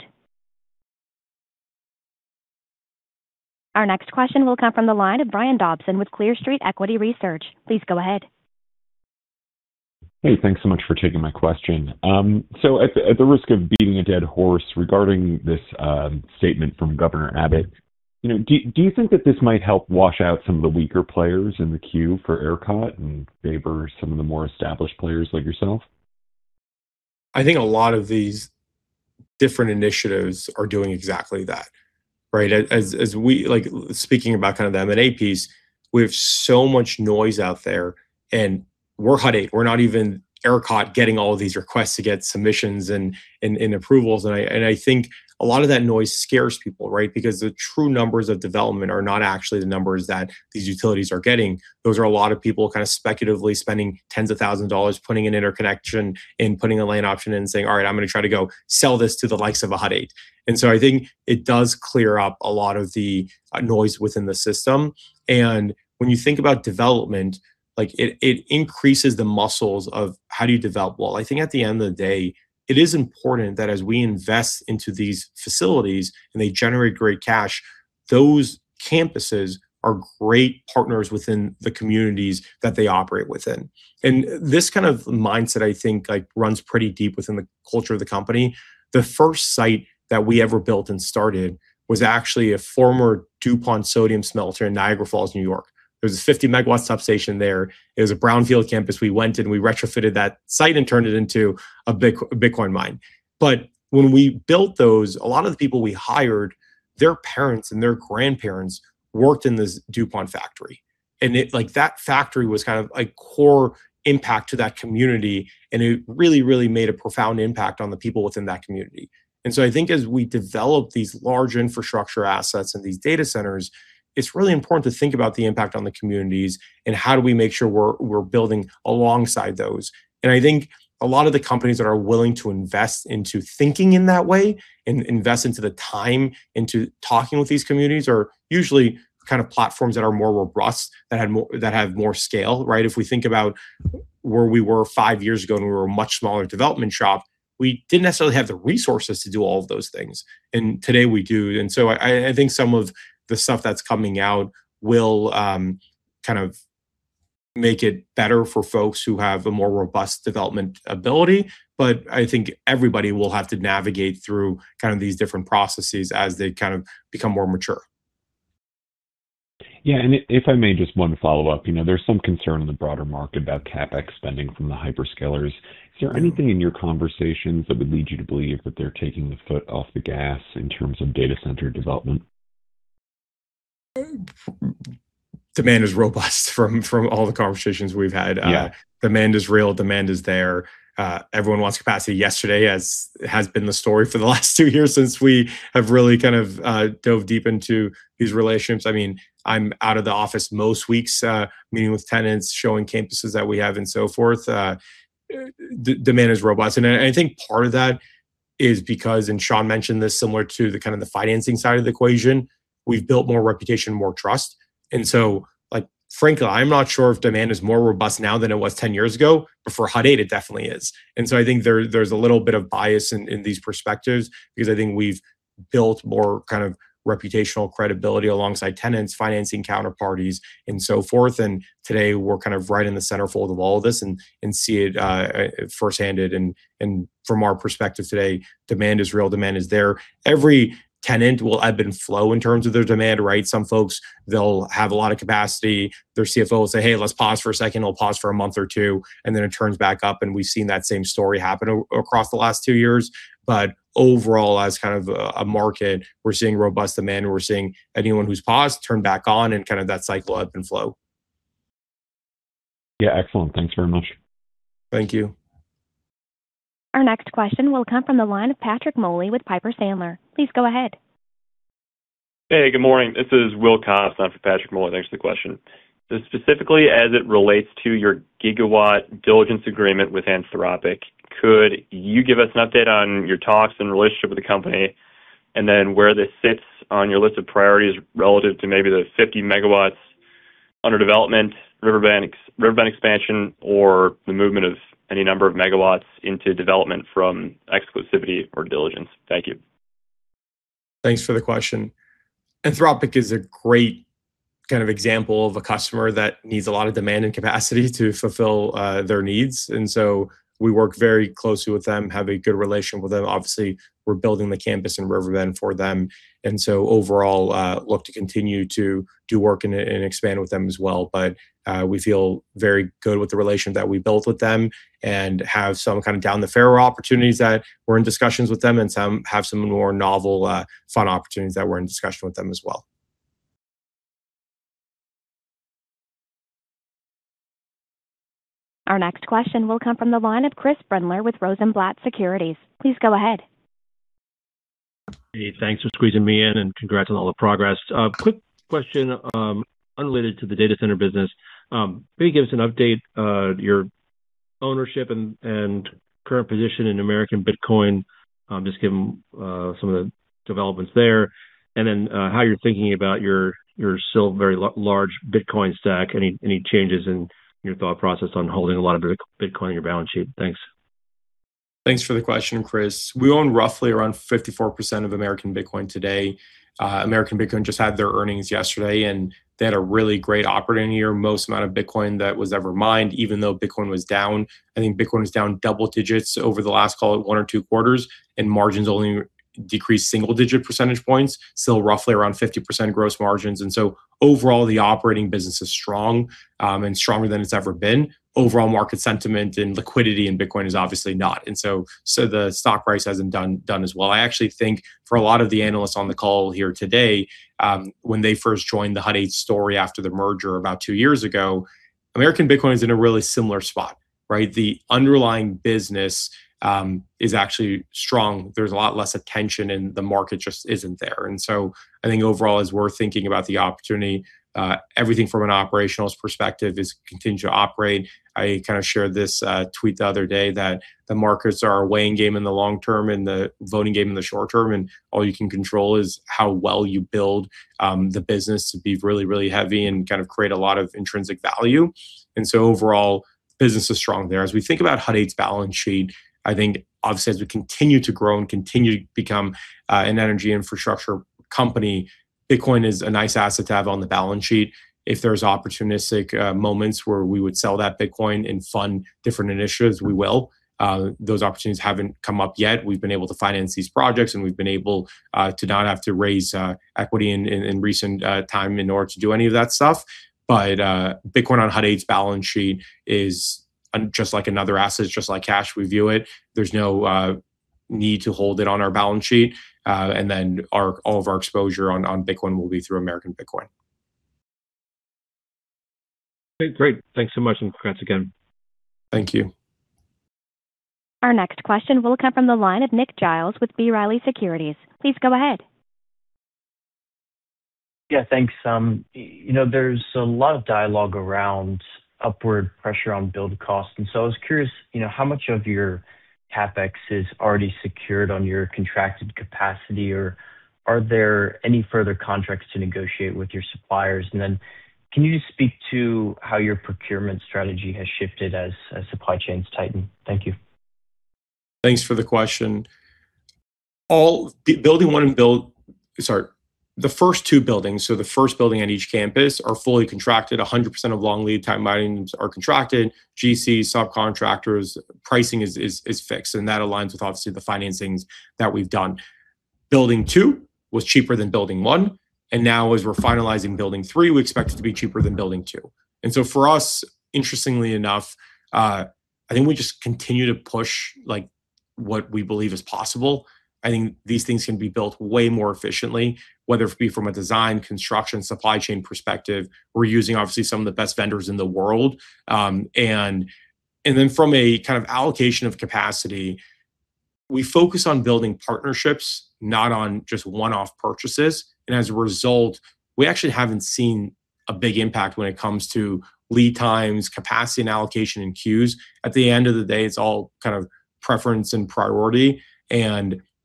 Our next question will come from the line of Brian Dobson with Clear Street Equity Research. Please go ahead. Hey, thanks so much for taking my question. At the risk of beating a dead horse, regarding this statement from Governor Abbott, do you think that this might help wash out some of the weaker players in the queue for ERCOT and favor some of the more established players like yourself? I think a lot of these different initiatives are doing exactly that, right? Speaking about kind of the M&A piece, we have so much noise out there, we're Hut 8. We're not even ERCOT getting all of these requests to get submissions and approvals. I think a lot of that noise scares people, right? Because the true numbers of development are not actually the numbers that these utilities are getting. Those are a lot of people kind of speculatively spending tens of thousands of dollars putting an interconnection and putting a land option in and saying, "All right, I'm going to try to go sell this to the likes of a Hut 8." I think it does clear up a lot of the noise within the system. When you think about development, it increases the muscles of how do you develop well. I think at the end of the day, it is important that as we invest into these facilities and they generate great cash, those campuses are great partners within the communities that they operate within. This kind of mindset, I think, runs pretty deep within the culture of the company. The first site that we ever built and started was actually a former DuPont sodium smelter in Niagara Falls, New York. There was a 50 MW substation there. It was a brownfield campus. We went in, we retrofitted that site, and turned it into a Bitcoin mine. When we built those, a lot of the people we hired, their parents and their grandparents worked in this DuPont factory. That factory was a core impact to that community, and it really, really made a profound impact on the people within that community. I think as we develop these large infrastructure assets and these data centers, it's really important to think about the impact on the communities and how do we make sure we're building alongside those. I think a lot of the companies that are willing to invest into thinking in that way and invest into the time into talking with these communities are usually kind of platforms that are more robust, that have more scale, right? If we think about where we were five years ago when we were a much smaller development shop, we didn't necessarily have the resources to do all of those things. Today we do. I think some of the stuff that's coming out will kind of make it better for folks who have a more robust development ability. I think everybody will have to navigate through these different processes as they become more mature. Yeah. If I may, just one follow-up. There's some concern in the broader market about CapEx spending from the hyperscalers. Is there anything in your conversations that would lead you to believe that they're taking the foot off the gas in terms of data center development? Demand is robust from all the conversations we've had. Yeah. Demand is real. Demand is there. Everyone wants capacity yesterday, as has been the story for the last two years since we have really dove deep into these relationships. I'm out of the office most weeks, meeting with tenants, showing campuses that we have and so forth. Demand is robust, I think part of that is because, Sean mentioned this similar to the kind of the financing side of the equation, we've built more reputation, more trust. Frankly, I'm not sure if demand is more robust now than it was 10 years ago, but for Hut 8, it definitely is. I think there's a little bit of bias in these perspectives because I think we've built more reputational credibility alongside tenants, financing counterparties, and so forth. Today we're right in the centerfold of all of this and see it firsthand. From our perspective today, demand is real. Demand is there. Every tenant will ebb and flow in terms of their demand, right? Some folks, they'll have a lot of capacity. Their CFO will say, "Hey, let's pause for a second." It'll pause for a month or two, then it turns back up. We've seen that same story happen across the last two years. Overall, as a market, we're seeing robust demand, and we're seeing anyone who's paused turn back on and that cycle ebb and flow. Yeah. Excellent. Thanks very much. Thank you. Our next question will come from the line of Patrick Moley with Piper Sandler. Please go ahead. Hey, good morning. This is Will Cost on for Patrick Moley. Thanks for the question. Specifically as it relates to your gigawatt diligence agreement with Anthropic, could you give us an update on your talks and relationship with the company, and then where this sits on your list of priorities relative to maybe the 50 MW under development, Riverbend expansion, or the movement of any number of megawatts into development from exclusivity or diligence? Thank you. Thanks for the question. Anthropic is a great example of a customer that needs a lot of demand and capacity to fulfill their needs. We work very closely with them, have a good relation with them. Obviously, we're building the campus in Riverbend for them. Overall, look to continue to do work and expand with them as well. We feel very good with the relation that we built with them and have some kind of down the fairway opportunities that we're in discussions with them and have some more novel, fun opportunities that we're in discussion with them as well. Our next question will come from the line of Chris Brendler with Rosenblatt Securities. Please go ahead. Hey, thanks for squeezing me in and congrats on all the progress. A quick question unrelated to the data center business. Can you give us an update, your ownership and current position in American Bitcoin? Just given some of the developments there, and then how you're thinking about your still very large Bitcoin stack. Any changes in your thought process on holding a lot of Bitcoin on your balance sheet? Thanks. Thanks for the question, Chris. We own roughly around 54% of American Bitcoin today. American Bitcoin just had their earnings yesterday, and they had a really great operating year. Most amount of Bitcoin that was ever mined, even though Bitcoin was down. I think Bitcoin was down double digits over the last, call it one or two quarters, and margins only decreased single digit percentage points, still roughly around 50% gross margins. Overall, the operating business is strong and stronger than it's ever been. Overall market sentiment and liquidity in Bitcoin is obviously not, and so the stock price hasn't done as well. I actually think for a lot of the analysts on the call here today, when they first joined the Hut 8 story after the merger about two years ago, American Bitcoin is in a really similar spot, right? The underlying business is actually strong. There's a lot less attention and the market just isn't there. I think overall, as we're thinking about the opportunity, everything from an operational perspective is continuing to operate. I shared this tweet the other day that the markets are a weighing game in the long term and the voting game in the short term, and all you can control is how well you build the business to be really, really heavy and create a lot of intrinsic value. Overall, business is strong there. As we think about Hut 8's balance sheet, I think obviously as we continue to grow and continue to become an energy infrastructure company, Bitcoin is a nice asset to have on the balance sheet. If there's opportunistic moments where we would sell that Bitcoin and fund different initiatives, we will. Those opportunities haven't come up yet. We've been able to finance these projects, we've been able to not have to raise equity in recent time in order to do any of that stuff. Bitcoin on Hut 8's balance sheet is just like another asset, just like cash. We view it. There's no need to hold it on our balance sheet. All of our exposure on Bitcoin will be through American Bitcoin. Okay, great. Thanks so much, and congrats again. Thank you. Our next question will come from the line of Nick Giles with B. Riley Securities. Please go ahead. Yeah, thanks. There's a lot of dialogue around upward pressure on build cost, so I was curious how much of your CapEx is already secured on your contracted capacity, or are there any further contracts to negotiate with your suppliers? Can you just speak to how your procurement strategy has shifted as supply chains tighten? Thank you. Thanks for the question. The first two buildings, so the first Building 1 on each campus are fully contracted. 100% of long lead time bindings are contracted. GC subcontractors pricing is fixed, and that aligns with obviously the financings that we've done. Building 2 was cheaper than Building 1. Now, as we're finalizing Building 3, we expect it to be cheaper than Building 2. For us, interestingly enough, I think we just continue to push what we believe is possible. I think these things can be built way more efficiently, whether it be from a design, construction, supply chain perspective. We're using, obviously, some of the best vendors in the world. From a kind of allocation of capacity, we focus on building partnerships, not on just one-off purchases. As a result, we actually haven't seen a big impact when it comes to lead times, capacity and allocation and queues. At the end of the day, it's all kind of preference and priority.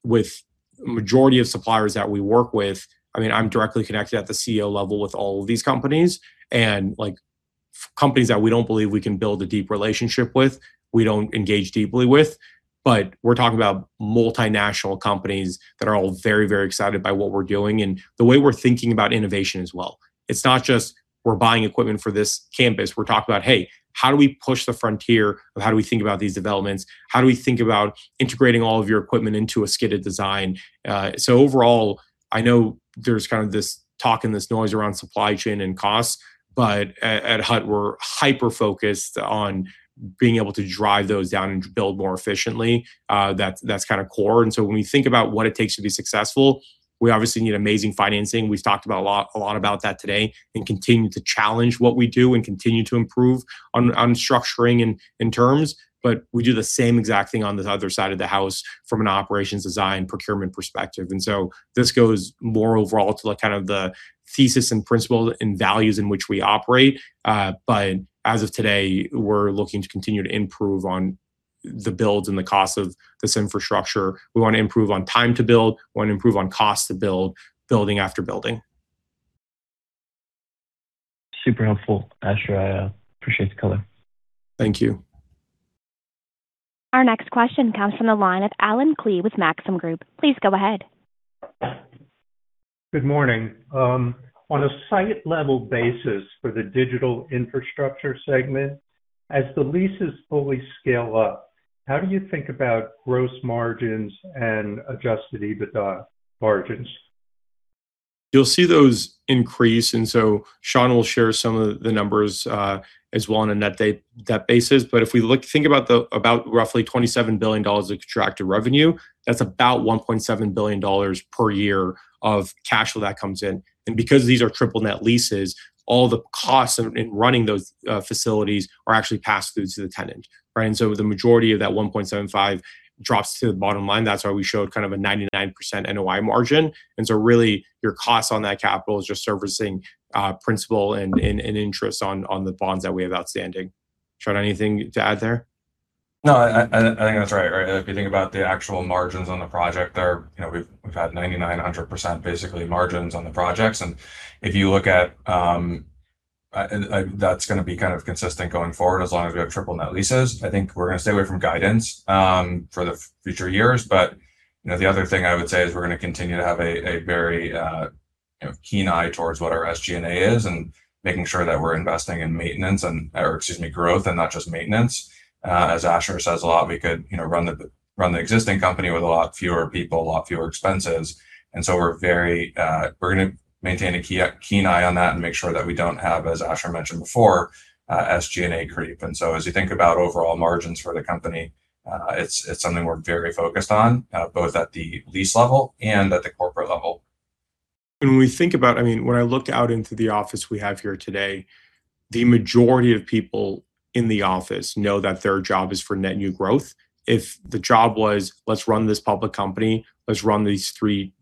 With majority of suppliers that we work with, I'm directly connected at the CEO level with all of these companies. Companies that we don't believe we can build a deep relationship with, we don't engage deeply with. We're talking about multinational companies that are all very excited by what we're doing and the way we're thinking about innovation as well. It's not just we're buying equipment for this campus. We're talking about, hey, how do we push the frontier of how do we think about these developments? How do we think about integrating all of your equipment into a skidded design? Overall, I know there's kind of this talk and this noise around supply chain and costs, at Hut, we're hyper-focused on being able to drive those down and build more efficiently. That's kind of core. When we think about what it takes to be successful, we obviously need amazing financing. We've talked a lot about that today, and continue to challenge what we do and continue to improve on structuring and terms. We do the same exact thing on the other side of the house from an operations design procurement perspective. This goes more overall to the kind of the thesis and principle and values in which we operate. As of today, we're looking to continue to improve on the builds and the cost of this infrastructure. We want to improve on time to build, want to improve on cost to build, building after building. Super helpful, Asher. I appreciate the color. Thank you. Our next question comes from the line of Allen Klee with Maxim Group. Please go ahead. Good morning. On a site level basis for the digital infrastructure segment, as the leases fully scale up, how do you think about gross margins and adjusted EBITDA margins? You'll see those increase. Sean will share some of the numbers as well on a net debt basis. If we think about roughly $27 billion of contracted revenue, that's about $1.7 billion per year of cash flow that comes in. Because these are triple net leases, all the costs in running those facilities are actually passed through to the tenant, right? The majority of that $1.75 drops to the bottom line. That's why we showed kind of a 99% NOI margin. Really your cost on that capital is just servicing principal and interest on the bonds that we have outstanding. Sean, anything to add there? No, I think that's right. If you think about the actual margins on the project there, we've had 99%, 100% basically margins on the projects. I think we're going to stay away from guidance for the future years. The other thing I would say is we're going to continue to have a very keen eye towards what our SG&A is and making sure that we're investing in maintenance and, or excuse me, growth and not just maintenance. As Asher says a lot, we could run the existing company with a lot fewer people, a lot fewer expenses. We're going to maintain a keen eye on that and make sure that we don't have, as Asher mentioned before, SG&A creep. As you think about overall margins for the company, it's something we're very focused on, both at the lease level and at the corporate level. When I look out into the office we have here today, the majority of people in the office know that their job is for net new growth. If the job was, let's run this public company, let's run these three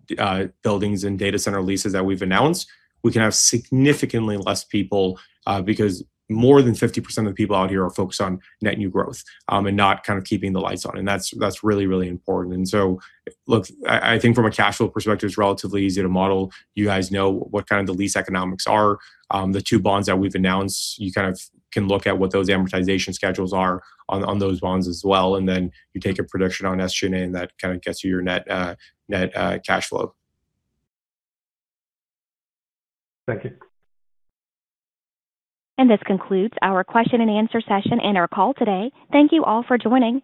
buildings and data center leases that we've announced, we can have significantly less people, because more than 50% of the people out here are focused on net new growth, and not kind of keeping the lights on. That's really important. So, look, I think from a cash flow perspective, it's relatively easy to model. You guys know what the lease economics are. The two bonds that we've announced, you kind of can look at what those amortization schedules are on those bonds as well. Then you take a prediction on SG&A, and that kind of gets you your net cash flow. Thank you. This concludes our question and answer session and our call today. Thank you all for joining.